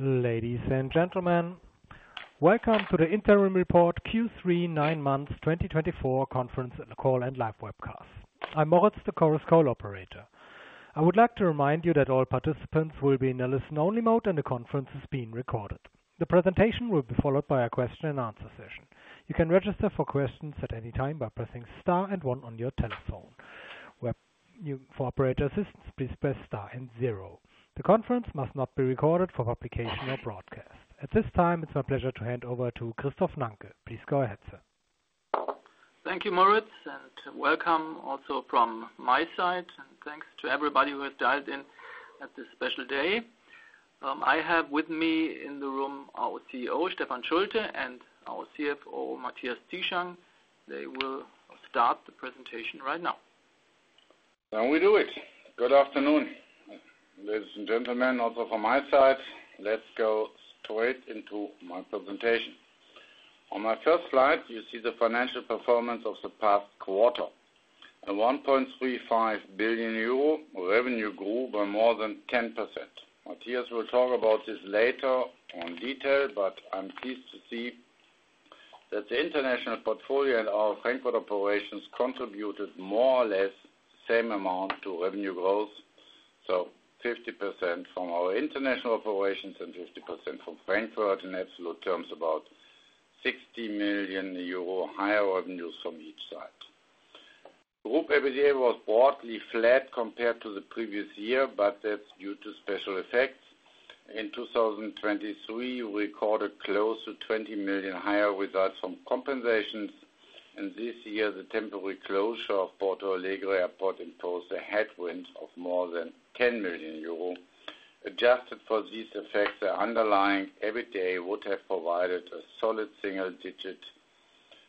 Ladies and gentlemen, welcome to the Interim Report Q3, 9 months, 2024 conference call and live webcast. I'm Moritz, the Chorus Call operator. I would like to remind you that all participants will be in a listen-only mode, and the conference is being recorded. The presentation will be followed by a question-and-answer session. You can register for questions at any time by pressing star and one on your telephone. For operator assistance, please press star and zero. The conference must not be recorded for publication or broadcast. At this time, it's my pleasure to hand over to Christoph Nanke. Please go ahead, sir. Thank you, Moritz, and welcome also from my side, and thanks to everybody who has dialed in at this special day. I have with me in the room our CEO, Stefan Schulte, and our CFO, Matthias Zieschang. They will start the presentation right now. Now we do it. Good afternoon, ladies and gentlemen, also from my side. Let's go straight into my presentation. On my first slide, you see the financial performance of the past quarter. The 1.35 billion euro revenue grew by more than 10%. Matthias will talk about this later in detail, but I'm pleased to see that the international portfolio and our Frankfurt operations contributed more or less the same amount to revenue growth, so 50% from our international operations and 50% from Frankfurt, in absolute terms, about 60 million euro higher revenues from each side. Group EBITDA was broadly flat compared to the previous year, but that's due to special effects. In 2023, we recorded close to 20 million higher results from compensations, and this year, the temporary closure of Porto Alegre Airport imposed a headwind of more than 10 million euro. Adjusted for these effects, the underlying EBITDA would have provided a solid single-digit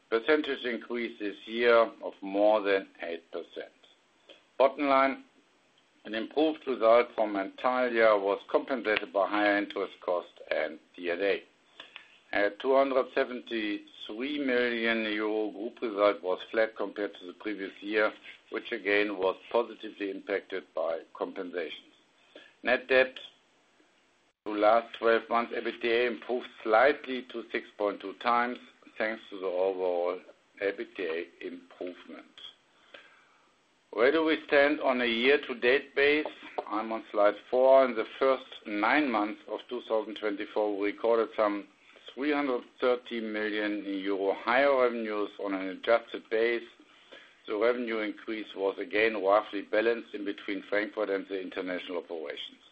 percentage increase this year of more than 8%. Bottom line, an improved result from the entire year was compensated by higher interest cost and D&A. 273 million euro group result was flat compared to the previous year, which again was positively impacted by compensations. Net debt to last 12 months EBITDA improved slightly to 6.2 times, thanks to the overall EBITDA improvement. Where do we stand on a year-to-date base? I'm on slide four. In the first nine months of 2024, we recorded some 330 million euro higher revenues on an adjusted base. The revenue increase was again roughly balanced in between Frankfurt and the international operations.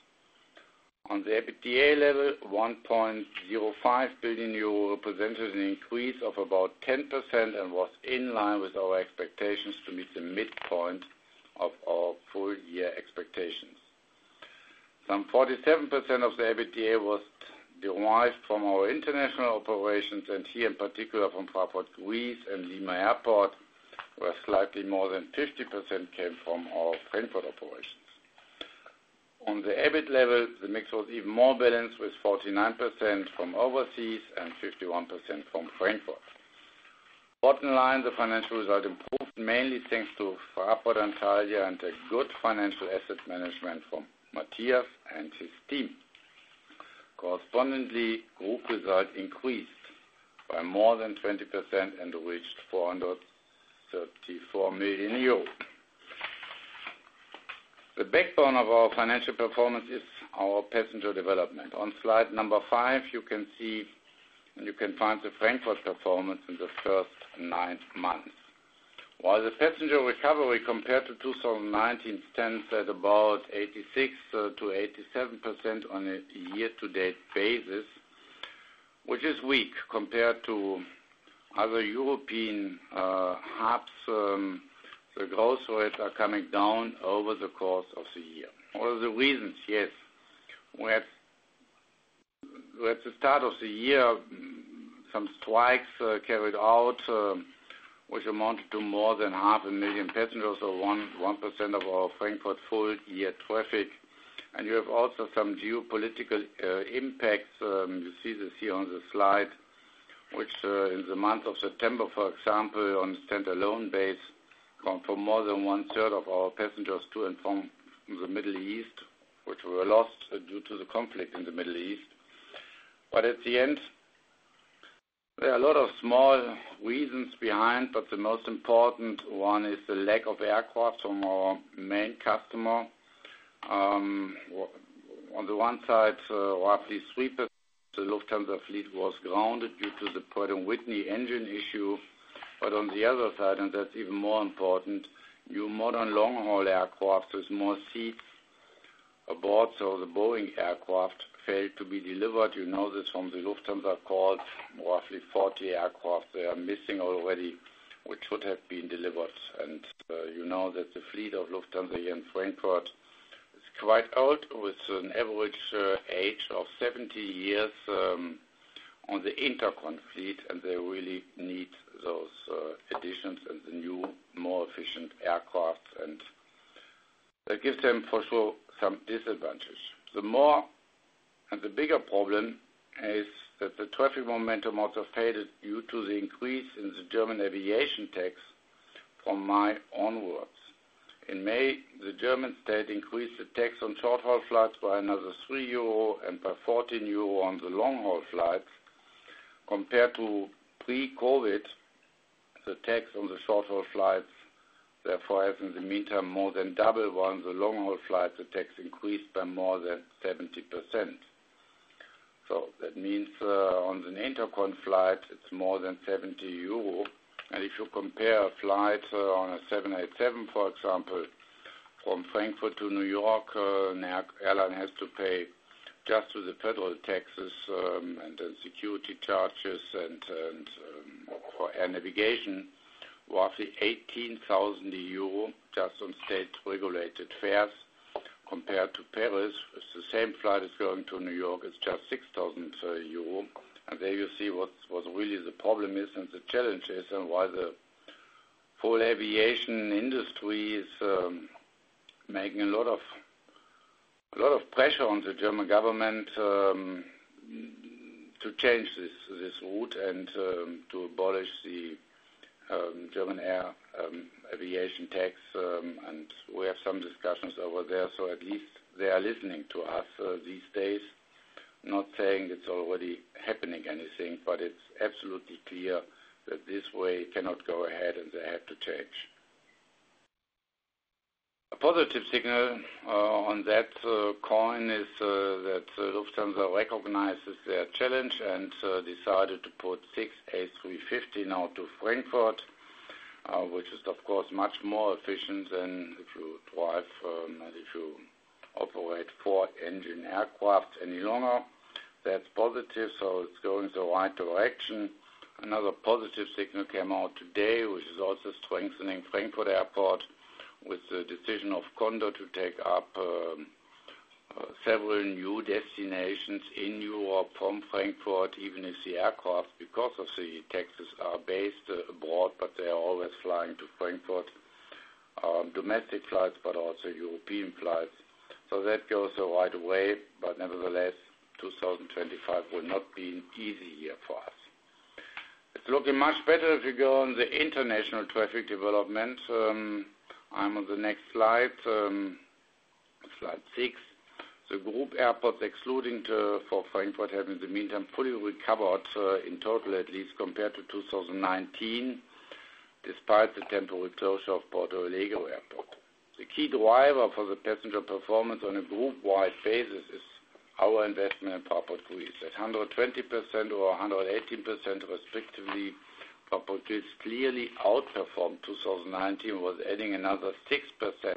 On the EBITDA level, 1.05 billion euro represented an increase of about 10% and was in line with our expectations to meet the midpoint of our full-year expectations. Some 47% of the EBITDA was derived from our international operations, and here in particular from Fraport Greece and Lima Airport, where slightly more than 50% came from our Frankfurt operations. On the EBIT level, the mix was even more balanced, with 49% from overseas and 51% from Frankfurt. Bottom line, the financial result improved mainly thanks to Fraport Antalya and a good financial asset management from Matthias and his team. Correspondingly, group result increased by more than 20% and reached 434 million euros. The backbone of our financial performance is our passenger development. On slide number five, you can see and you can find the Frankfurt performance in the first nine months. While the passenger recovery compared to 2019 stands at about 86%-87% on a year-to-date basis, which is weak compared to other European hubs, the growth rates are coming down over the course of the year. What are the reasons? Yes. At the start of the year, some strikes carried out, which amounted to more than 500,000 passengers, so 1% of our Frankfurt full-year traffic, and you have also some geopolitical impacts. You see this here on the slide, which in the month of September, for example, on a standalone basis, for more than one-third of our passengers to and from the Middle East, which were lost due to the conflict in the Middle East, but at the end, there are a lot of small reasons behind, but the most important one is the lack of aircraft from our main customer. On the one side, roughly 3% of the Lufthansa fleet was grounded due to the Pratt & Whitney engine issue. But on the other side, and that's even more important, new modern long-haul aircraft, there's more seats aboard, so the Boeing aircraft failed to be delivered. You know this from the Lufthansa call, roughly 40 aircraft they are missing already, which should have been delivered. And you know that the fleet of Lufthansa here in Frankfurt is quite old, with an average age of 70 years on the intercon fleet, and they really need those additions and the new, more efficient aircraft, and that gives them, for sure, some disadvantage. The bigger problem is that the traffic momentum also faded due to the increase in the German aviation tax from May onwards. In May, the German state increased the tax on short-haul flights by another 3 euro and by 14 euro on the long-haul flights. Compared to pre-COVID, the tax on the short-haul flights therefore has, in the meantime, more than doubled while on the long-haul flights, the tax increased by more than 70%. That means on the intercon flight, it's more than 70 euro. And if you compare a flight on a 787, for example, from Frankfurt to New York, an airline has to pay just with the federal taxes and the security charges and for air navigation, roughly 18,000 euro just on state-regulated fares compared to Paris. The same flight is going to New York, it's just 6,000 euro. And there you see what really the problem is and the challenge is and why the whole aviation industry is making a lot of pressure on the German government to change this route and to abolish the German air aviation tax. And we have some discussions over there, so at least they are listening to us these days, not saying it's already happening anything, but it's absolutely clear that this way cannot go ahead and they have to change. A positive signal on that coin is that Lufthansa recognizes their challenge and decided to put six A350 now to Frankfurt, which is, of course, much more efficient than if you drive and if you operate four-engine aircraft any longer. That's positive, so it's going the right direction. Another positive signal came out today, which is also strengthening Frankfurt Airport with the decision of Condor to take up several new destinations in Europe from Frankfurt, even if the aircraft, because of the taxes, are based abroad, but they are always flying to Frankfurt, domestic flights, but also European flights. So that goes the right way, but nevertheless, 2025 will not be an easy year for us. It's looking much better if you go on the international traffic development. I'm on the next slide, slide six. The group airports excluding for Frankfurt have, in the meantime, fully recovered in total, at least, compared to 2019, despite the temporary closure of Porto Alegre Airport. The key driver for the passenger performance on a group-wide basis is our investment in Fraport Greece. At 120% or 118%, respectively, Fraport Greece clearly outperformed 2019, was adding another 6%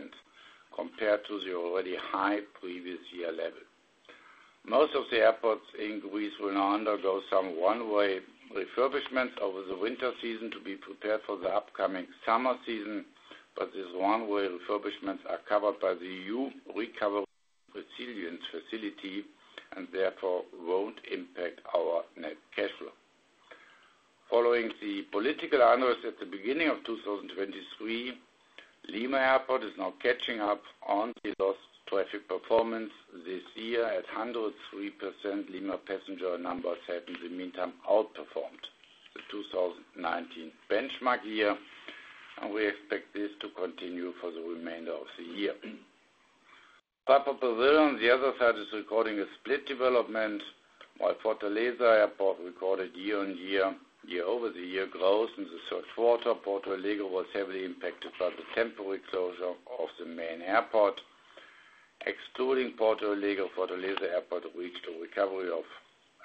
compared to the already high previous year level. Most of the airports in Greece will now undergo some one-off refurbishments over the winter season to be prepared for the upcoming summer season, but these one-off refurbishments are covered by the EU Recovery and Resilience Facility and therefore won't impact our net cash flow. Following the political unrest at the beginning of 2023, Lima Airport is now catching up on the lost traffic performance this year at 103%. Lima passenger numbers have, in the meantime, outperformed the 2019 benchmark year, and we expect this to continue for the remainder of the year. Our portfolio, the other side, is recording a split development, while Fortaleza Airport recorded year-on-year, year-over-year growth in the third quarter. Porto Alegre was heavily impacted by the temporary closure of the main airport. Excluding Porto Alegre, Fortaleza Airport reached a recovery of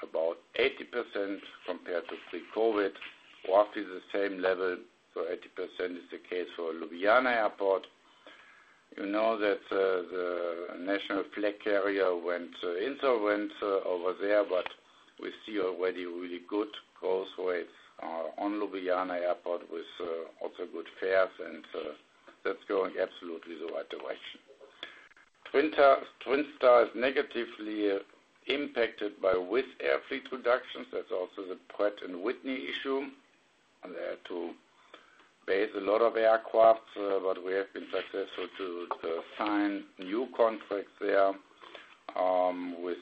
about 80% compared to pre-COVID, roughly the same level, so 80% is the case for Ljubljana Airport. You know that the national flag carrier went insolvent over there, but we see already really good growth rates on Ljubljana Airport with also good fares, and that's going absolutely the right direction. Twin Star is negatively impacted by Wizz Air fleet reductions. That's also the Pratt & Whitney issue. There are two bases, a lot of aircraft, but we have been successful to sign new contracts there with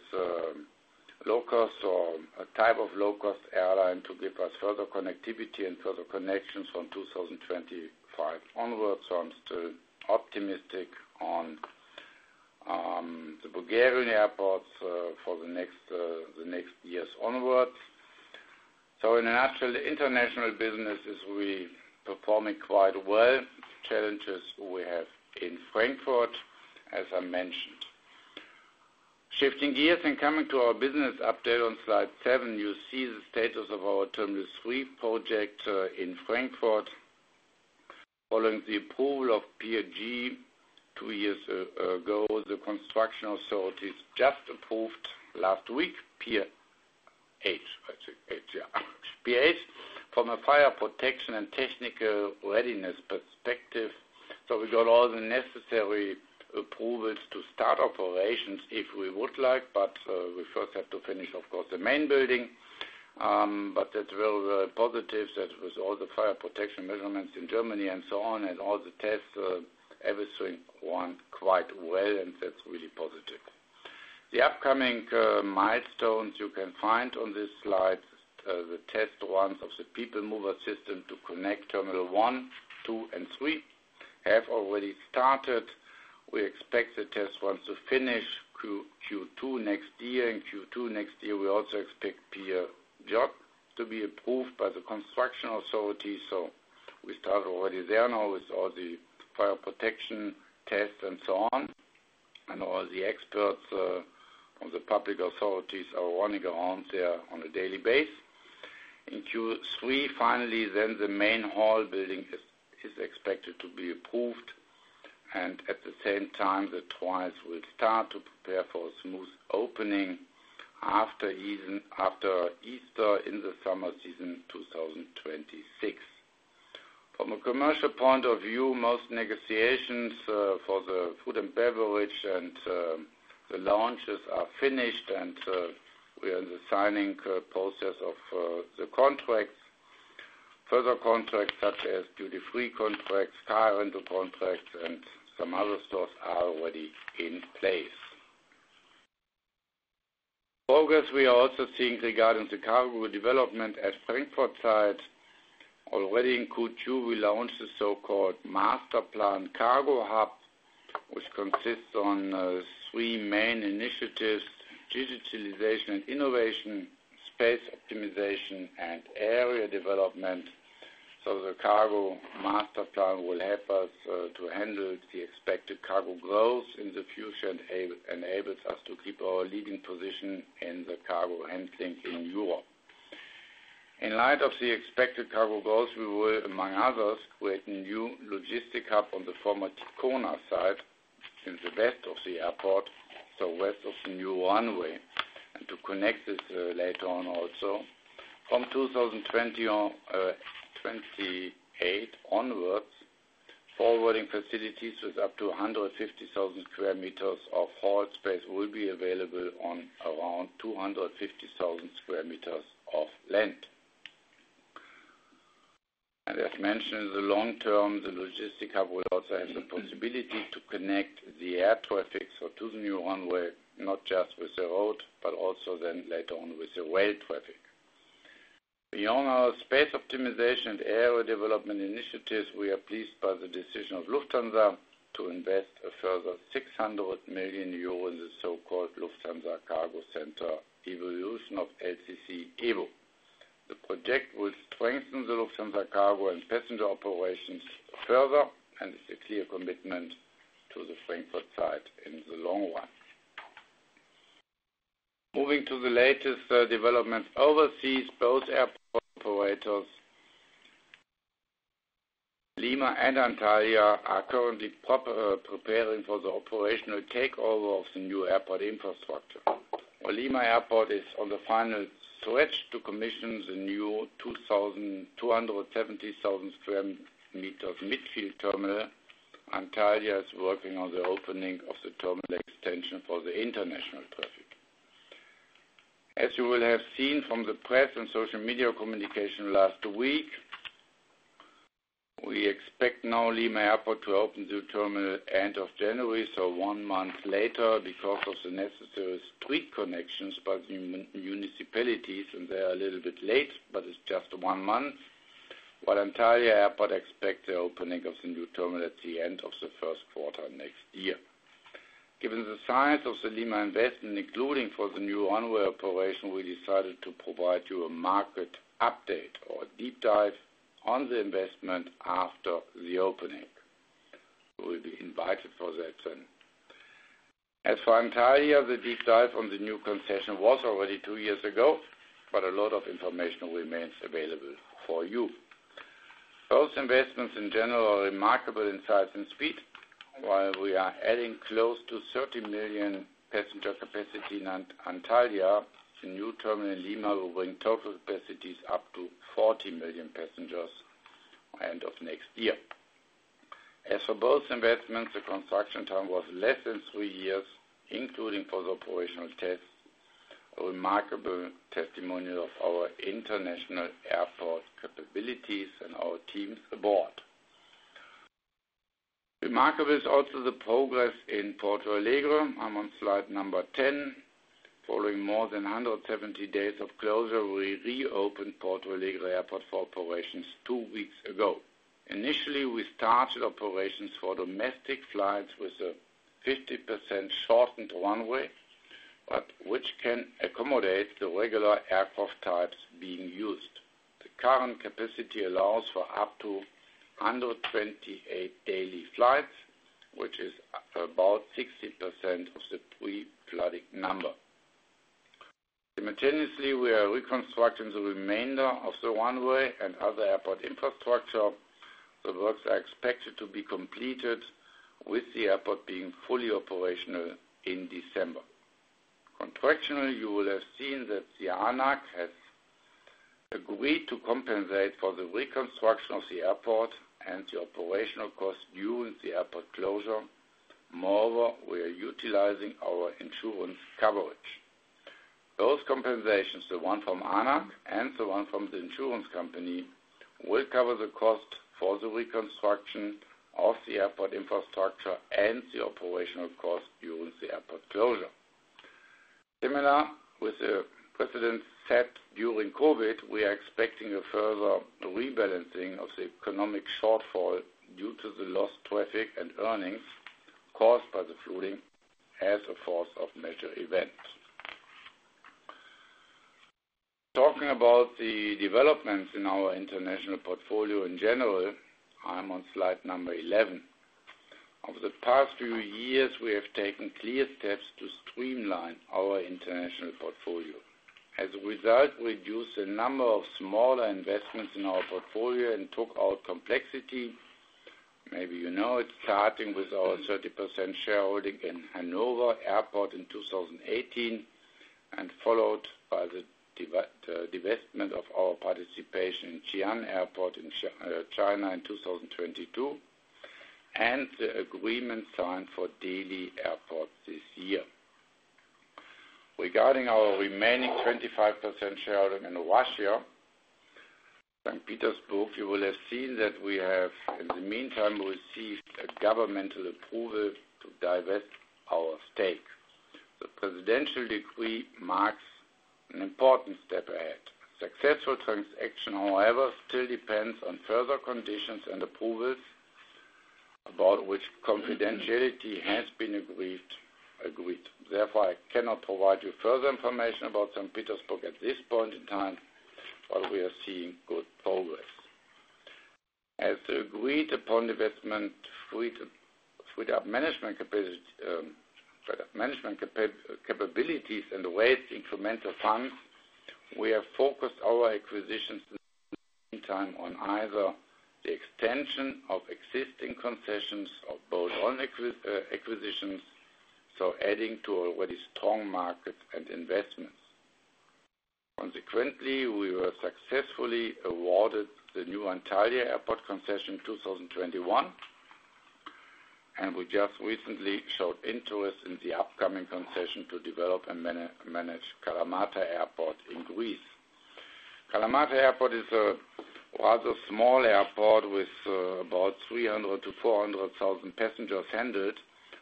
a type of low-cost airline to give us further connectivity and further connections from 2025 onwards. So I'm still optimistic on the Bulgarian airports for the next years onwards. So in a nutshell, the international business is really performing quite well. Challenges we have in Frankfurt, as I mentioned. Shifting gears and coming to our business update on slide seven, you see the status of our Terminal 3 project in Frankfurt. Following the approval of Pier J two years ago, the construction authorities just approved last week Pier H, I think, yeah, Pier H from a fire protection and technical readiness perspective. So we got all the necessary approvals to start operations if we would like, but we first have to finish, of course, the main building. But that's very, very positive. That was all the fire protection measures in Germany and so on, and all the tests, everything went quite well, and that's really positive. The upcoming milestones you can find on this slide, the test runs of the People Mover System to connect Terminal 1, 2, and 3 have already started. We expect the test runs to finish Q2 next year, and Q2 next year, we also expect Pier J to be approved by the construction authority. So we start already there now with all the fire protection tests and so on, and all the experts from the public authorities are running around there on a daily basis. In Q3, finally, then the main hall building is expected to be approved, and at the same time, the twins will start to prepare for a smooth opening after Easter in the summer season 2026. From a commercial point of view, most negotiations for the food and beverage and the lounges are finished, and we're in the signing process of the contracts. Further contracts such as duty-free contracts, car rental contracts, and some other stores are already in place. Progress we are also seeing regarding the cargo development at Frankfurt site. Already in Q2, we launched the so-called Master Plan Cargo Hub, which consists of three main initiatives: digitalization and innovation, space optimization, and area development. So the cargo master plan will help us to handle the expected cargo growth in the future and enables us to keep our leading position in the cargo handling in Europe. In light of the expected cargo growth, we will, among others, create a new logistic hub on the former Ticona site in the west of the airport, so west of the new runway, and to connect this later on also. From 2028 onwards, forwarding facilities with up to 150,000 sq m of hold space will be available on around 250,000 sq m of land, and as mentioned in the long term, the logistic hub will also have the possibility to connect the air traffic, so to the new runway, not just with the road, but also then later on with the rail traffic. Beyond our space optimization and area development initiatives, we are pleased by the decision of Lufthansa to invest a further 600 million euro in the so-called Lufthansa Cargo Center Evolution of LCC EVO. The project will strengthen the Lufthansa cargo and passenger operations further, and it's a clear commitment to the Frankfurt site in the long run. Moving to the latest developments overseas, both airport operators, Lima and Antalya, are currently preparing for the operational takeover of the new airport infrastructure. Lima Airport is on the final stretch to commission the new 270,000 square meters midfield terminal. Antalya is working on the opening of the terminal extension for the international traffic. As you will have seen from the press and social media communication last week, we expect now Lima Airport to open the terminal end of January, so one month later because of the necessary street connections by the municipalities, and they are a little bit late, but it's just one month, while Antalya Airport expects the opening of the new terminal at the end of the first quarter next year. Given the size of the Lima investment, including for the new runway operation, we decided to provide you a market update or deep dive on the investment after the opening. We'll be invited for that soon. As for Antalya, the deep dive on the new concession was already two years ago, but a lot of information remains available for you. Those investments in general are remarkable in size and speed. While we are adding close to 30 million passenger capacity in Antalya, the new terminal in Lima will bring total capacities up to 40 million passengers by the end of next year. As for both investments, the construction time was less than three years, including for the operational tests, a remarkable testimonial of our international airport capabilities and our teams abroad. Remarkable is also the progress in Porto Alegre. I'm on slide number 10. Following more than 170 days of closure, we reopened Porto Alegre Airport for operations two weeks ago. Initially, we started operations for domestic flights with a 50% shortened runway, which can accommodate the regular aircraft types being used. The current capacity allows for up to 128 daily flights, which is about 60% of the pre-flooding number. Simultaneously, we are reconstructing the remainder of the runway and other airport infrastructure. The works are expected to be completed with the airport being fully operational in December. Contractually, you will have seen that the ANAC has agreed to compensate for the reconstruction of the airport and the operational costs during the airport closure. Moreover, we are utilizing our insurance coverage. Those compensations, the one from ANAC and the one from the insurance company, will cover the cost for the reconstruction of the airport infrastructure and the operational costs during the airport closure. Similar with the precedents set during COVID, we are expecting a further rebalancing of the economic shortfall due to the lost traffic and earnings caused by the flooding as a force majeure event. Talking about the developments in our international portfolio in general, I'm on slide number 11. Over the past few years, we have taken clear steps to streamline our international portfolio. As a result, we reduced the number of smaller investments in our portfolio and took our complexity. Maybe you know it's starting with our 30% shareholding in Hanover Airport in 2018 and followed by the divestment of our participation in Xi'an Airport in China in 2022 and the agreement signed for Delhi Airport this year. Regarding our remaining 25% shareholding in Russia, St. Petersburg, you will have seen that we have, in the meantime, received a governmental approval to divest our stake. The presidential decree marks an important step ahead. Successful transaction, however, still depends on further conditions and approvals about which confidentiality has been agreed. Therefore, I cannot provide you further information about St. Petersburg at this point in time, but we are seeing good progress. As agreed upon divestment, freed up management capabilities and raised incremental funds, we have focused our acquisitions in the meantime on either the extension of existing concessions or both acquisitions, so adding to already strong markets and investments. Consequently, we were successfully awarded the new Antalya Airport concession 2021, and we just recently showed interest in the upcoming concession to develop and manage Kalamata Airport in Greece. Kalamata Airport is a rather small airport with about 300-400,000 passengers handled,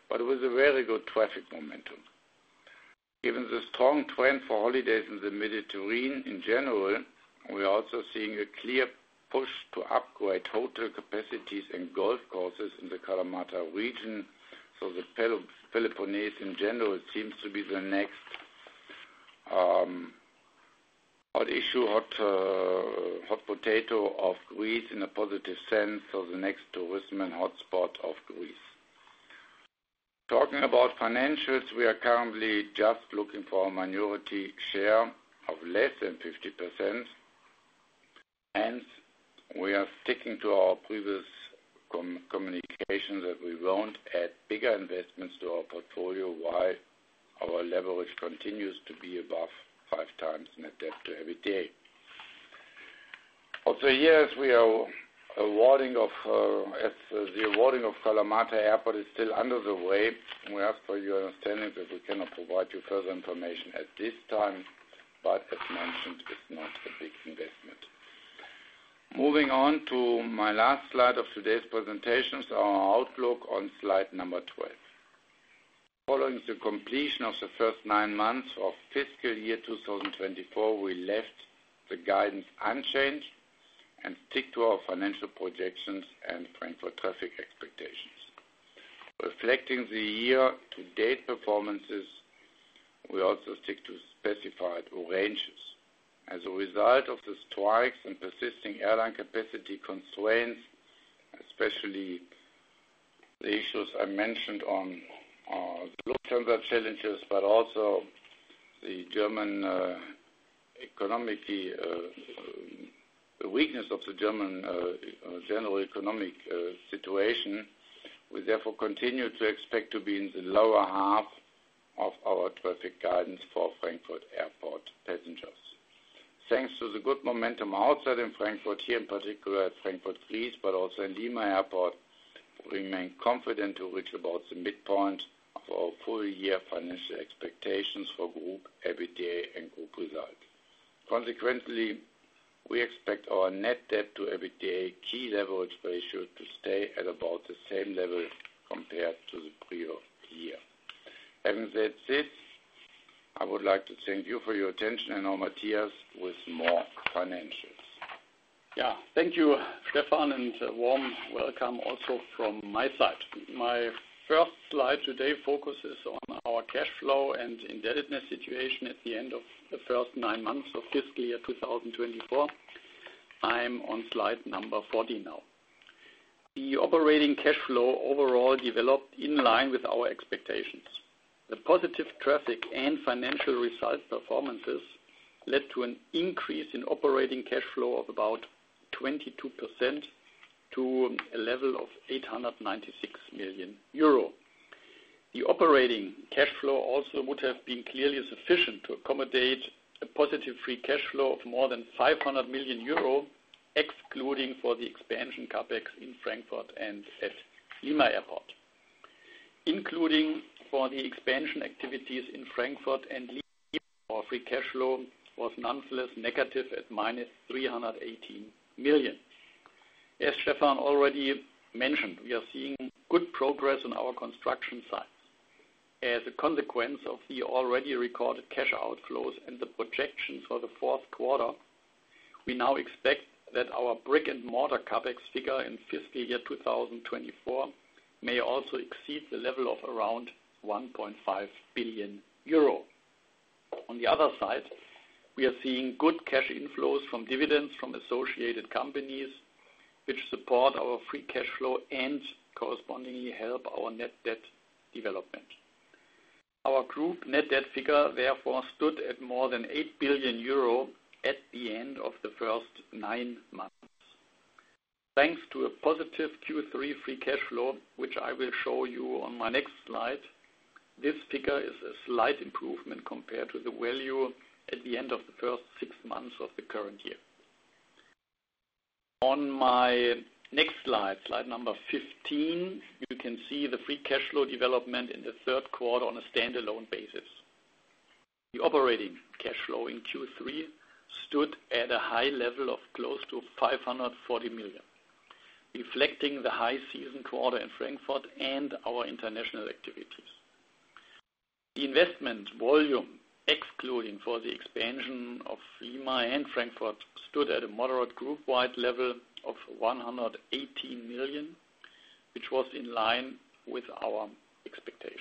but with a very good traffic momentum. Given the strong trend for holidays in the Mediterranean in general, we are also seeing a clear push to upgrade hotel capacities and golf courses in the Kalamata region. The Peloponnese in general seems to be the next hot issue, hot potato of Greece in a positive sense, so the next tourism and hotspot of Greece. Talking about financials, we are currently just looking for a minority share of less than 50%, and we are sticking to our previous communication that we won't add bigger investments to our portfolio while our leverage continues to be above five times net debt to EBITDA. For three years, the awarding of Kalamata Airport is still under way. We ask for your understanding that we cannot provide you further information at this time, but as mentioned, it's not a big investment. Moving on to my last slide of today's presentation is our outlook on slide number 12. Following the completion of the first nine months of fiscal year 2024, we left the guidance unchanged and stick to our financial projections and Frankfurt traffic expectations. Reflecting the year-to-date performances, we also stick to specified ranges. As a result of the strikes and persisting airline capacity constraints, especially the issues I mentioned on the Lufthansa challenges, but also the weakness of the general economic situation, we therefore continue to expect to be in the lower half of our traffic guidance for Frankfurt Airport passengers. Thanks to the good momentum outside in Frankfurt, here in particular at Fraport Greece, but also in Lima Airport, we remain confident to reach about the midpoint of our full-year financial expectations for group EBITDA and group results. Consequently, we expect our net debt to EBITDA key leverage ratio to stay at about the same level compared to the prior year. Having said this, I would like to thank you for your attention and all materials with more financials. Yeah, thank you, Stefan, and a warm welcome also from my side. My first slide today focuses on our cash flow and indebtedness situation at the end of the first nine months of fiscal year 2024. I'm on slide number 14 now. The operating cash flow overall developed in line with our expectations. The positive traffic and financial result performances led to an increase in operating cash flow of about 22% to a level of 896 million euro. The operating cash flow also would have been clearly sufficient to accommodate a positive free cash flow of more than 500 million euro, excluding for the expansion CapEx in Frankfurt and at Lima Airport. Including for the expansion activities in Frankfurt and Lima, our free cash flow was nonetheless negative at minus 318 million. As Stefan already mentioned, we are seeing good progress on our construction sites. As a consequence of the already recorded cash outflows and the projections for the fourth quarter, we now expect that our brick-and-mortar CapEx figure in fiscal year 2024 may also exceed the level of around 1.5 billion euro. On the other side, we are seeing good cash inflows from dividends from associated companies, which support our free cash flow and correspondingly help our net debt development. Our group net debt figure therefore stood at more than 8 billion euro at the end of the first nine months. Thanks to a positive Q3 free cash flow, which I will show you on my next slide, this figure is a slight improvement compared to the value at the end of the first six months of the current year. On my next slide, slide number 15, you can see the free cash flow development in the third quarter on a standalone basis. The operating cash flow in Q3 stood at a high level of close to 540 million, reflecting the high season quarter in Frankfurt and our international activities. The investment volume, excluding for the expansion of Lima and Frankfurt, stood at a moderate group-wide level of 118 million, which was in line with our expectations.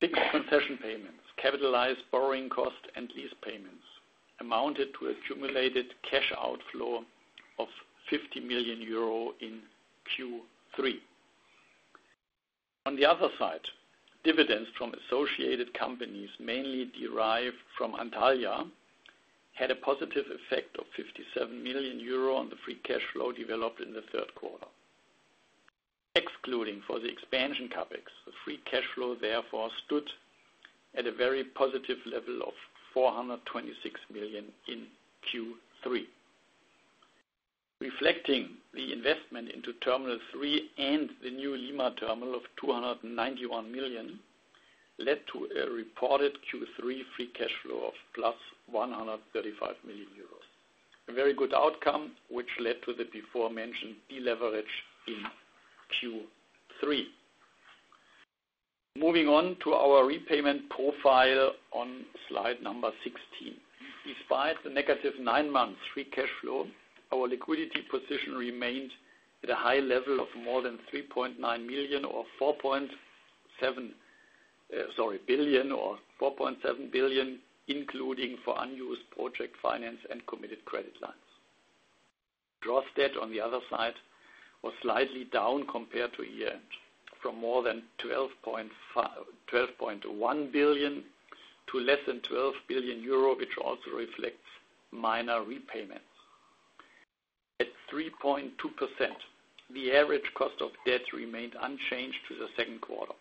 Big concession payments, capitalized borrowing costs, and lease payments amounted to accumulated cash outflow of 50 million euro in Q3. On the other side, dividends from associated companies, mainly derived from Antalya, had a positive effect of 57 million euro on the free cash flow developed in the third quarter. Excluding for the expansion CapEx, the free cash flow therefore stood at a very positive level of 426 million in Q3. Reflecting the investment into Terminal 3 and the new Lima terminal of 291 million led to a reported Q3 free cash flow of 135 million euros. A very good outcome, which led to the before-mentioned deleverage in Q3. Moving on to our repayment profile on slide number 16. Despite the negative nine months free cash flow, our liquidity position remained at a high level of more than 3.9 million or 4.7 billion, including for unused project finance and committed credit lines. debt, on the other side, was slightly down compared to year-end from more than 12.1 billion to less than 12 billion euro, which also reflects minor repayments. At 3.2%, the average cost of debt remained unchanged to the second quarter,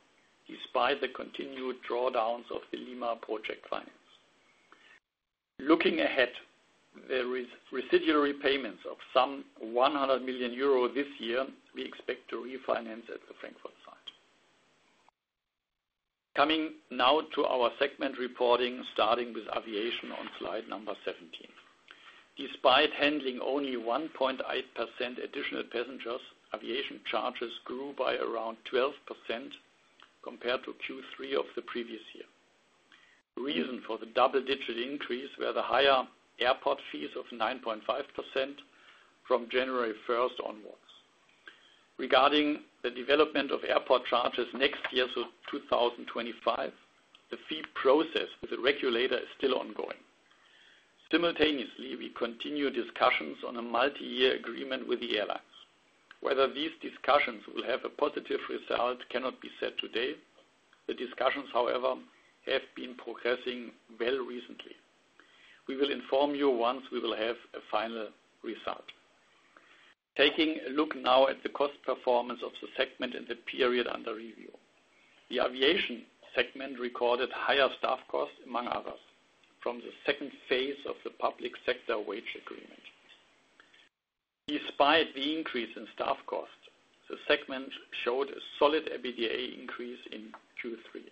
despite the continued drawdowns of the Lima project finance. Looking ahead, there are residual repayments of some 100 million euro this year we expect to refinance at the Frankfurt site. Coming now to our segment reporting, starting with aviation on slide number 17. Despite handling only 1.8% additional passengers, aviation charges grew by around 12% compared to Q3 of the previous year. The reason for the double-digit increase were the higher airport fees of 9.5% from January 1st onwards. Regarding the development of airport charges next year, so 2025, the fee process with the regulator is still ongoing. Simultaneously, we continue discussions on a multi-year agreement with the airlines. Whether these discussions will have a positive result cannot be said today. The discussions, however, have been progressing well recently. We will inform you once we will have a final result. Taking a look now at the cost performance of the segment in the period under review. The aviation segment recorded higher staff costs, among others, from the second phase of the public sector wage agreement. Despite the increase in staff costs, the segment showed a solid EBITDA increase in Q3.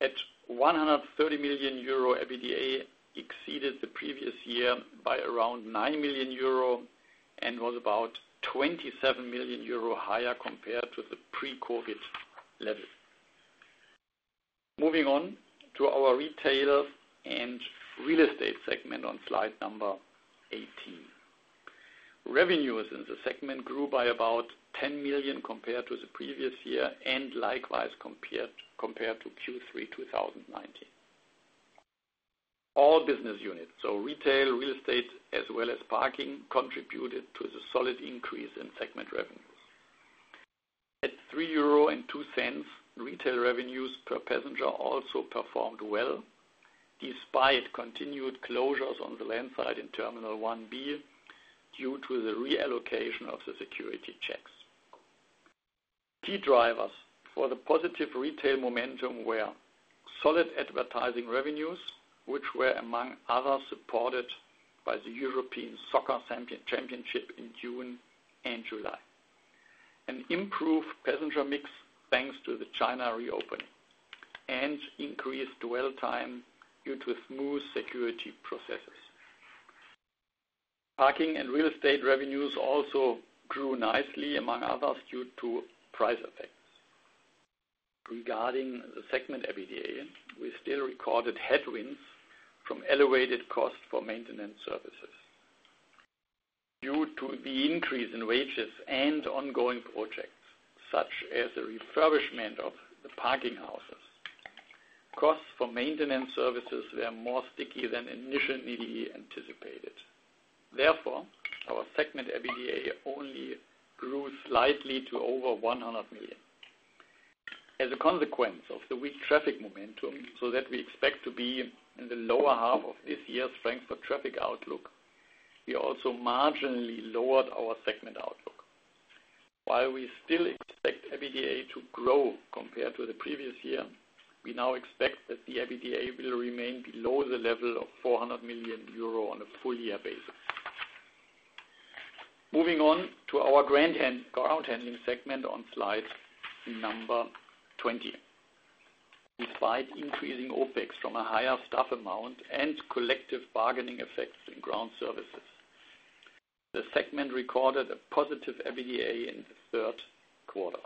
At 130 million euro, EBITDA exceeded the previous year by around 9 million euro and was about 27 million euro higher compared to the pre-COVID level. Moving on to our retail and real estate segment on slide number 18. Revenues in the segment grew by about 10 million compared to the previous year and likewise compared to Q3 2019. All business units, so retail, real estate, as well as parking, contributed to the solid increase in segment revenues. At 3.02 euro, retail revenues per passenger also performed well, despite continued closures on the land side in Terminal 1B due to the reallocation of the security checks. Key drivers for the positive retail momentum were solid advertising revenues, which were, among others, supported by the European Soccer Championship in June and July. An improved passenger mix thanks to the China reopening and increased dwell time due to smooth security processes. Parking and real estate revenues also grew nicely, among others, due to price effects. Regarding the segment EBITDA, we still recorded headwinds from elevated costs for maintenance services. Due to the increase in wages and ongoing projects, such as the refurbishment of the parking houses, costs for maintenance services were more sticky than initially anticipated. Therefore, our segment EBITDA only grew slightly to over 100 million. As a consequence of the weak traffic momentum, so that we expect to be in the lower half of this year's Frankfurt traffic outlook, we also marginally lowered our segment outlook. While we still expect EBITDA to grow compared to the previous year, we now expect that the EBITDA will remain below the level of 400 million euro on a full-year basis. Moving on to our ground handling segment on slide number 20. Despite increasing OpEx from a higher staff amount and collective bargaining effects in ground services, the segment recorded a positive EBITDA in the third quarter.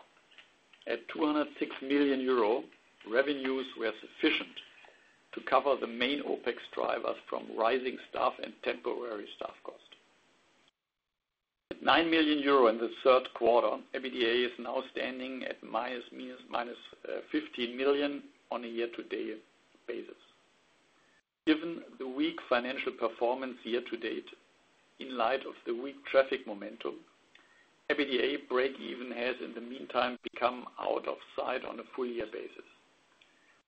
At 206 million euro, revenues were sufficient to cover the main OpEx drivers from rising staff and temporary staff costs. At 9 million euro in the third quarter, EBITDA is now standing at minus 15 million on a year-to-date basis. Given the weak financial performance year-to-date, in light of the weak traffic momentum, EBITDA break-even has in the meantime become out of sight on a full-year basis.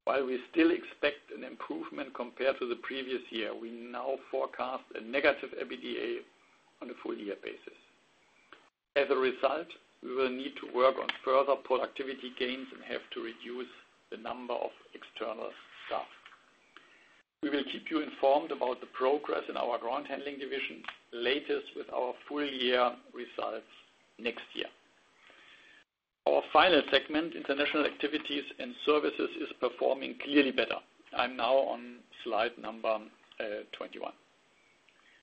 While we still expect an improvement compared to the previous year, we now forecast a negative EBITDA on a full-year basis. As a result, we will need to work on further productivity gains and have to reduce the number of external staff. We will keep you informed about the progress in our ground handling division, latest with our full-year results next year. Our final segment, international activities and services, is performing clearly better. I'm now on slide number 21.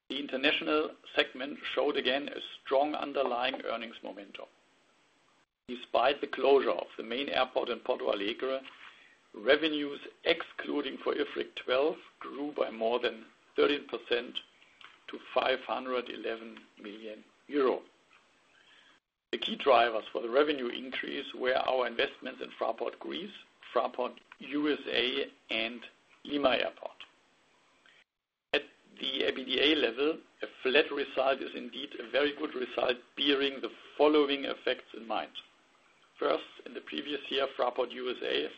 The international segment showed again a strong underlying earnings momentum. Despite the closure of the main airport in Porto Alegre, revenues, excluding for IFRIC 12, grew by more than 13% to 511 million euro. The key drivers for the revenue increase were our investments in Fraport Greece, Fraport USA, and Lima Airport. At the EBITDA level, a flat result is indeed a very good result, bearing the following effects in mind. First, in the previous year, Fraport USA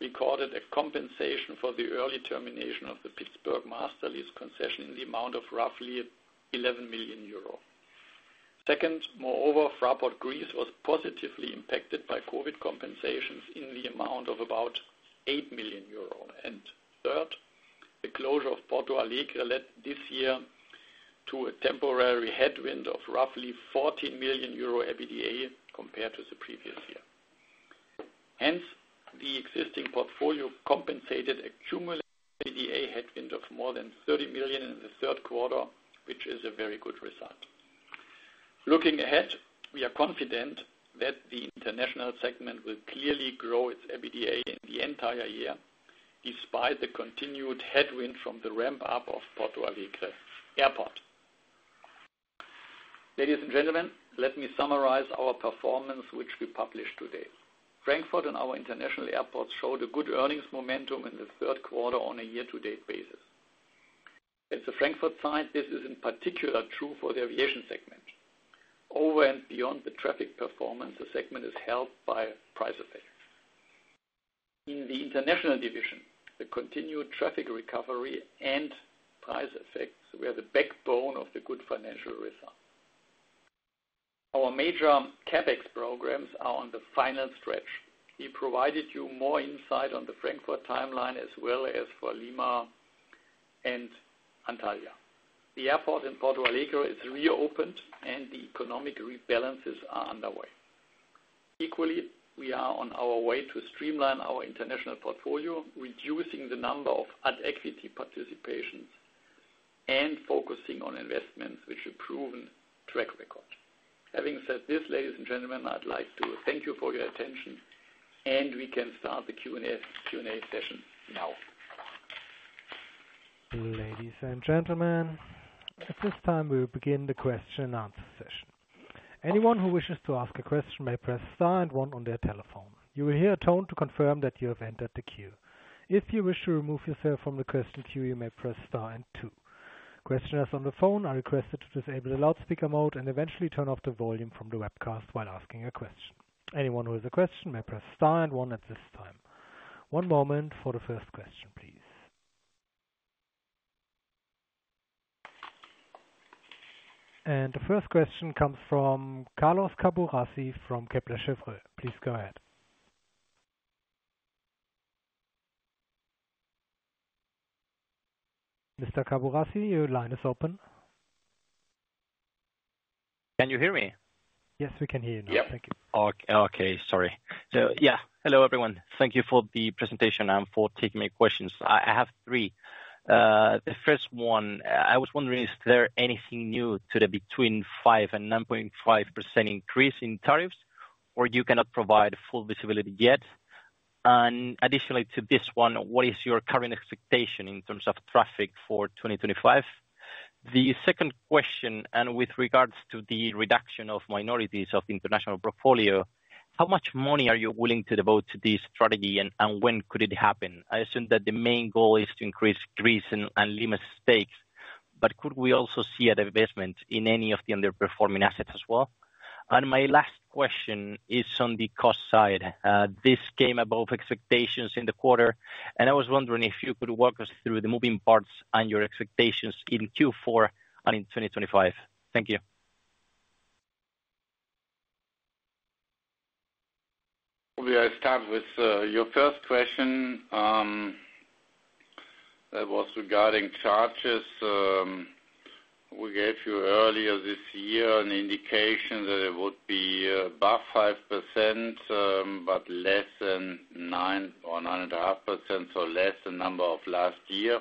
recorded a compensation for the early termination of the Pittsburgh master lease concession in the amount of roughly 11 million euro. Second, moreover, Fraport Greece was positively impacted by COVID compensations in the amount of about 8 million euro. And third, the closure of Porto Alegre led this year to a temporary headwind of roughly 14 million euro EBITDA compared to the previous year. Hence, the existing portfolio compensated accumulated EBITDA headwind of more than 30 million in the third quarter, which is a very good result. Looking ahead, we are confident that the international segment will clearly grow its EBITDA in the entire year, despite the continued headwind from the ramp-up of Porto Alegre Airport. Ladies and gentlemen, let me summarize our performance, which we published today. Frankfurt and our international airports showed a good earnings momentum in the third quarter on a year-to-date basis. At the Frankfurt site, this is in particular true for the aviation segment. Over and beyond the traffic performance, the segment is helped by price effects. In the international division, the continued traffic recovery and price effects were the backbone of the good financial result. Our major CapEx programs are on the final stretch. We provided you more insight on the Frankfurt timeline as well as for Lima and Antalya. The airport in Porto Alegre is reopened, and the economic rebalances are underway. Equally, we are on our way to streamline our international portfolio, reducing the number of equity participations, and focusing on investments with a proven track record. Having said this, ladies and gentlemen, I'd like to thank you for your attention, and we can start the Q&A session now. Ladies and gentlemen, at this time, we will begin the question-and-answer session. Anyone who wishes to ask a question may press Star and one on their telephone. You will hear a tone to confirm that you have entered the queue. If you wish to remove yourself from the question queue, you may press Star and two. Questioners on the phone are requested to disable the loudspeaker mode and eventually turn off the volume from the webcast while asking a question. Anyone who has a question may press Star and 1 at this time. One moment for the first question, please. And the first question comes from Carlos Cabornero from Kepler Chevreux. Please go ahead. Mr. Cabornero, your line is open. Can you hear me? Yes, we can hear you now. Thank you. Yes. Okay. Sorry. So, yeah. Hello, everyone. Thank you for the presentation and for taking my questions. I have three. The first one, I was wondering, is there anything new to the between 5% and 9.5% increase in tariffs, or you cannot provide full visibility yet? And additionally to this one, what is your current expectation in terms of traffic for 2025? The second question, and with regards to the reduction of minorities of the international portfolio, how much money are you willing to devote to this strategy, and when could it happen? I assume that the main goal is to increase Greece and Lima stakes, but could we also see a divestment in any of the underperforming assets as well, and my last question is on the cost side. This came above expectations in the quarter, and I was wondering if you could walk us through the moving parts and your expectations in Q4 and in 2025. Thank you. We'll start with your first question. That was regarding charges. We gave you earlier this year an indication that it would be above 5%, but less than 9% or 9.5%, so less than the number of last year,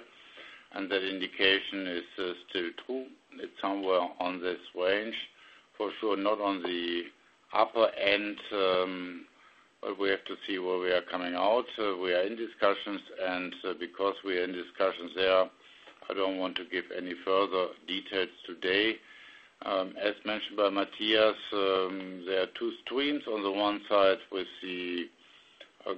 and that indication is still true. It's somewhere in this range. For sure, not on the upper end, but we have to see where we are coming out. We are in discussions, and because we are in discussions there, I don't want to give any further details today. As mentioned by Matthias, there are two streams. On the one side, with the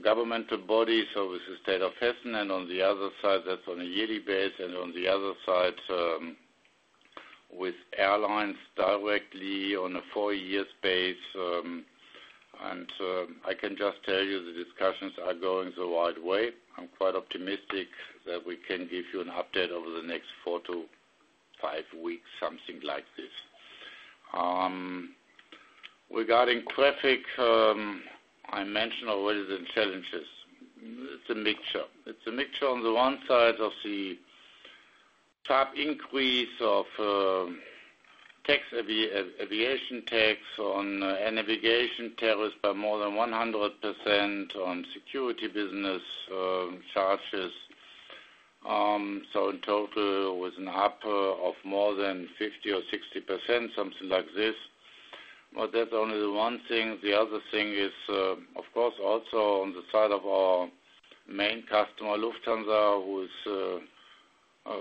governmental bodies, so with the state of Hessen, and on the other side, that's on a yearly basis. And on the other side, with airlines directly on a four-year basis. And I can just tell you the discussions are going the right way. I'm quite optimistic that we can give you an update over the next four to five weeks, something like this. Regarding traffic, I mentioned already the challenges. It's a mixture. It's a mixture on the one side of the sharp increase of aviation tax on navigation tariffs by more than 100% on security business charges. So in total, with an upper of more than 50% or 60%, something like this. But that's only the one thing. The other thing is, of course, also on the side of our main customer, Lufthansa, who is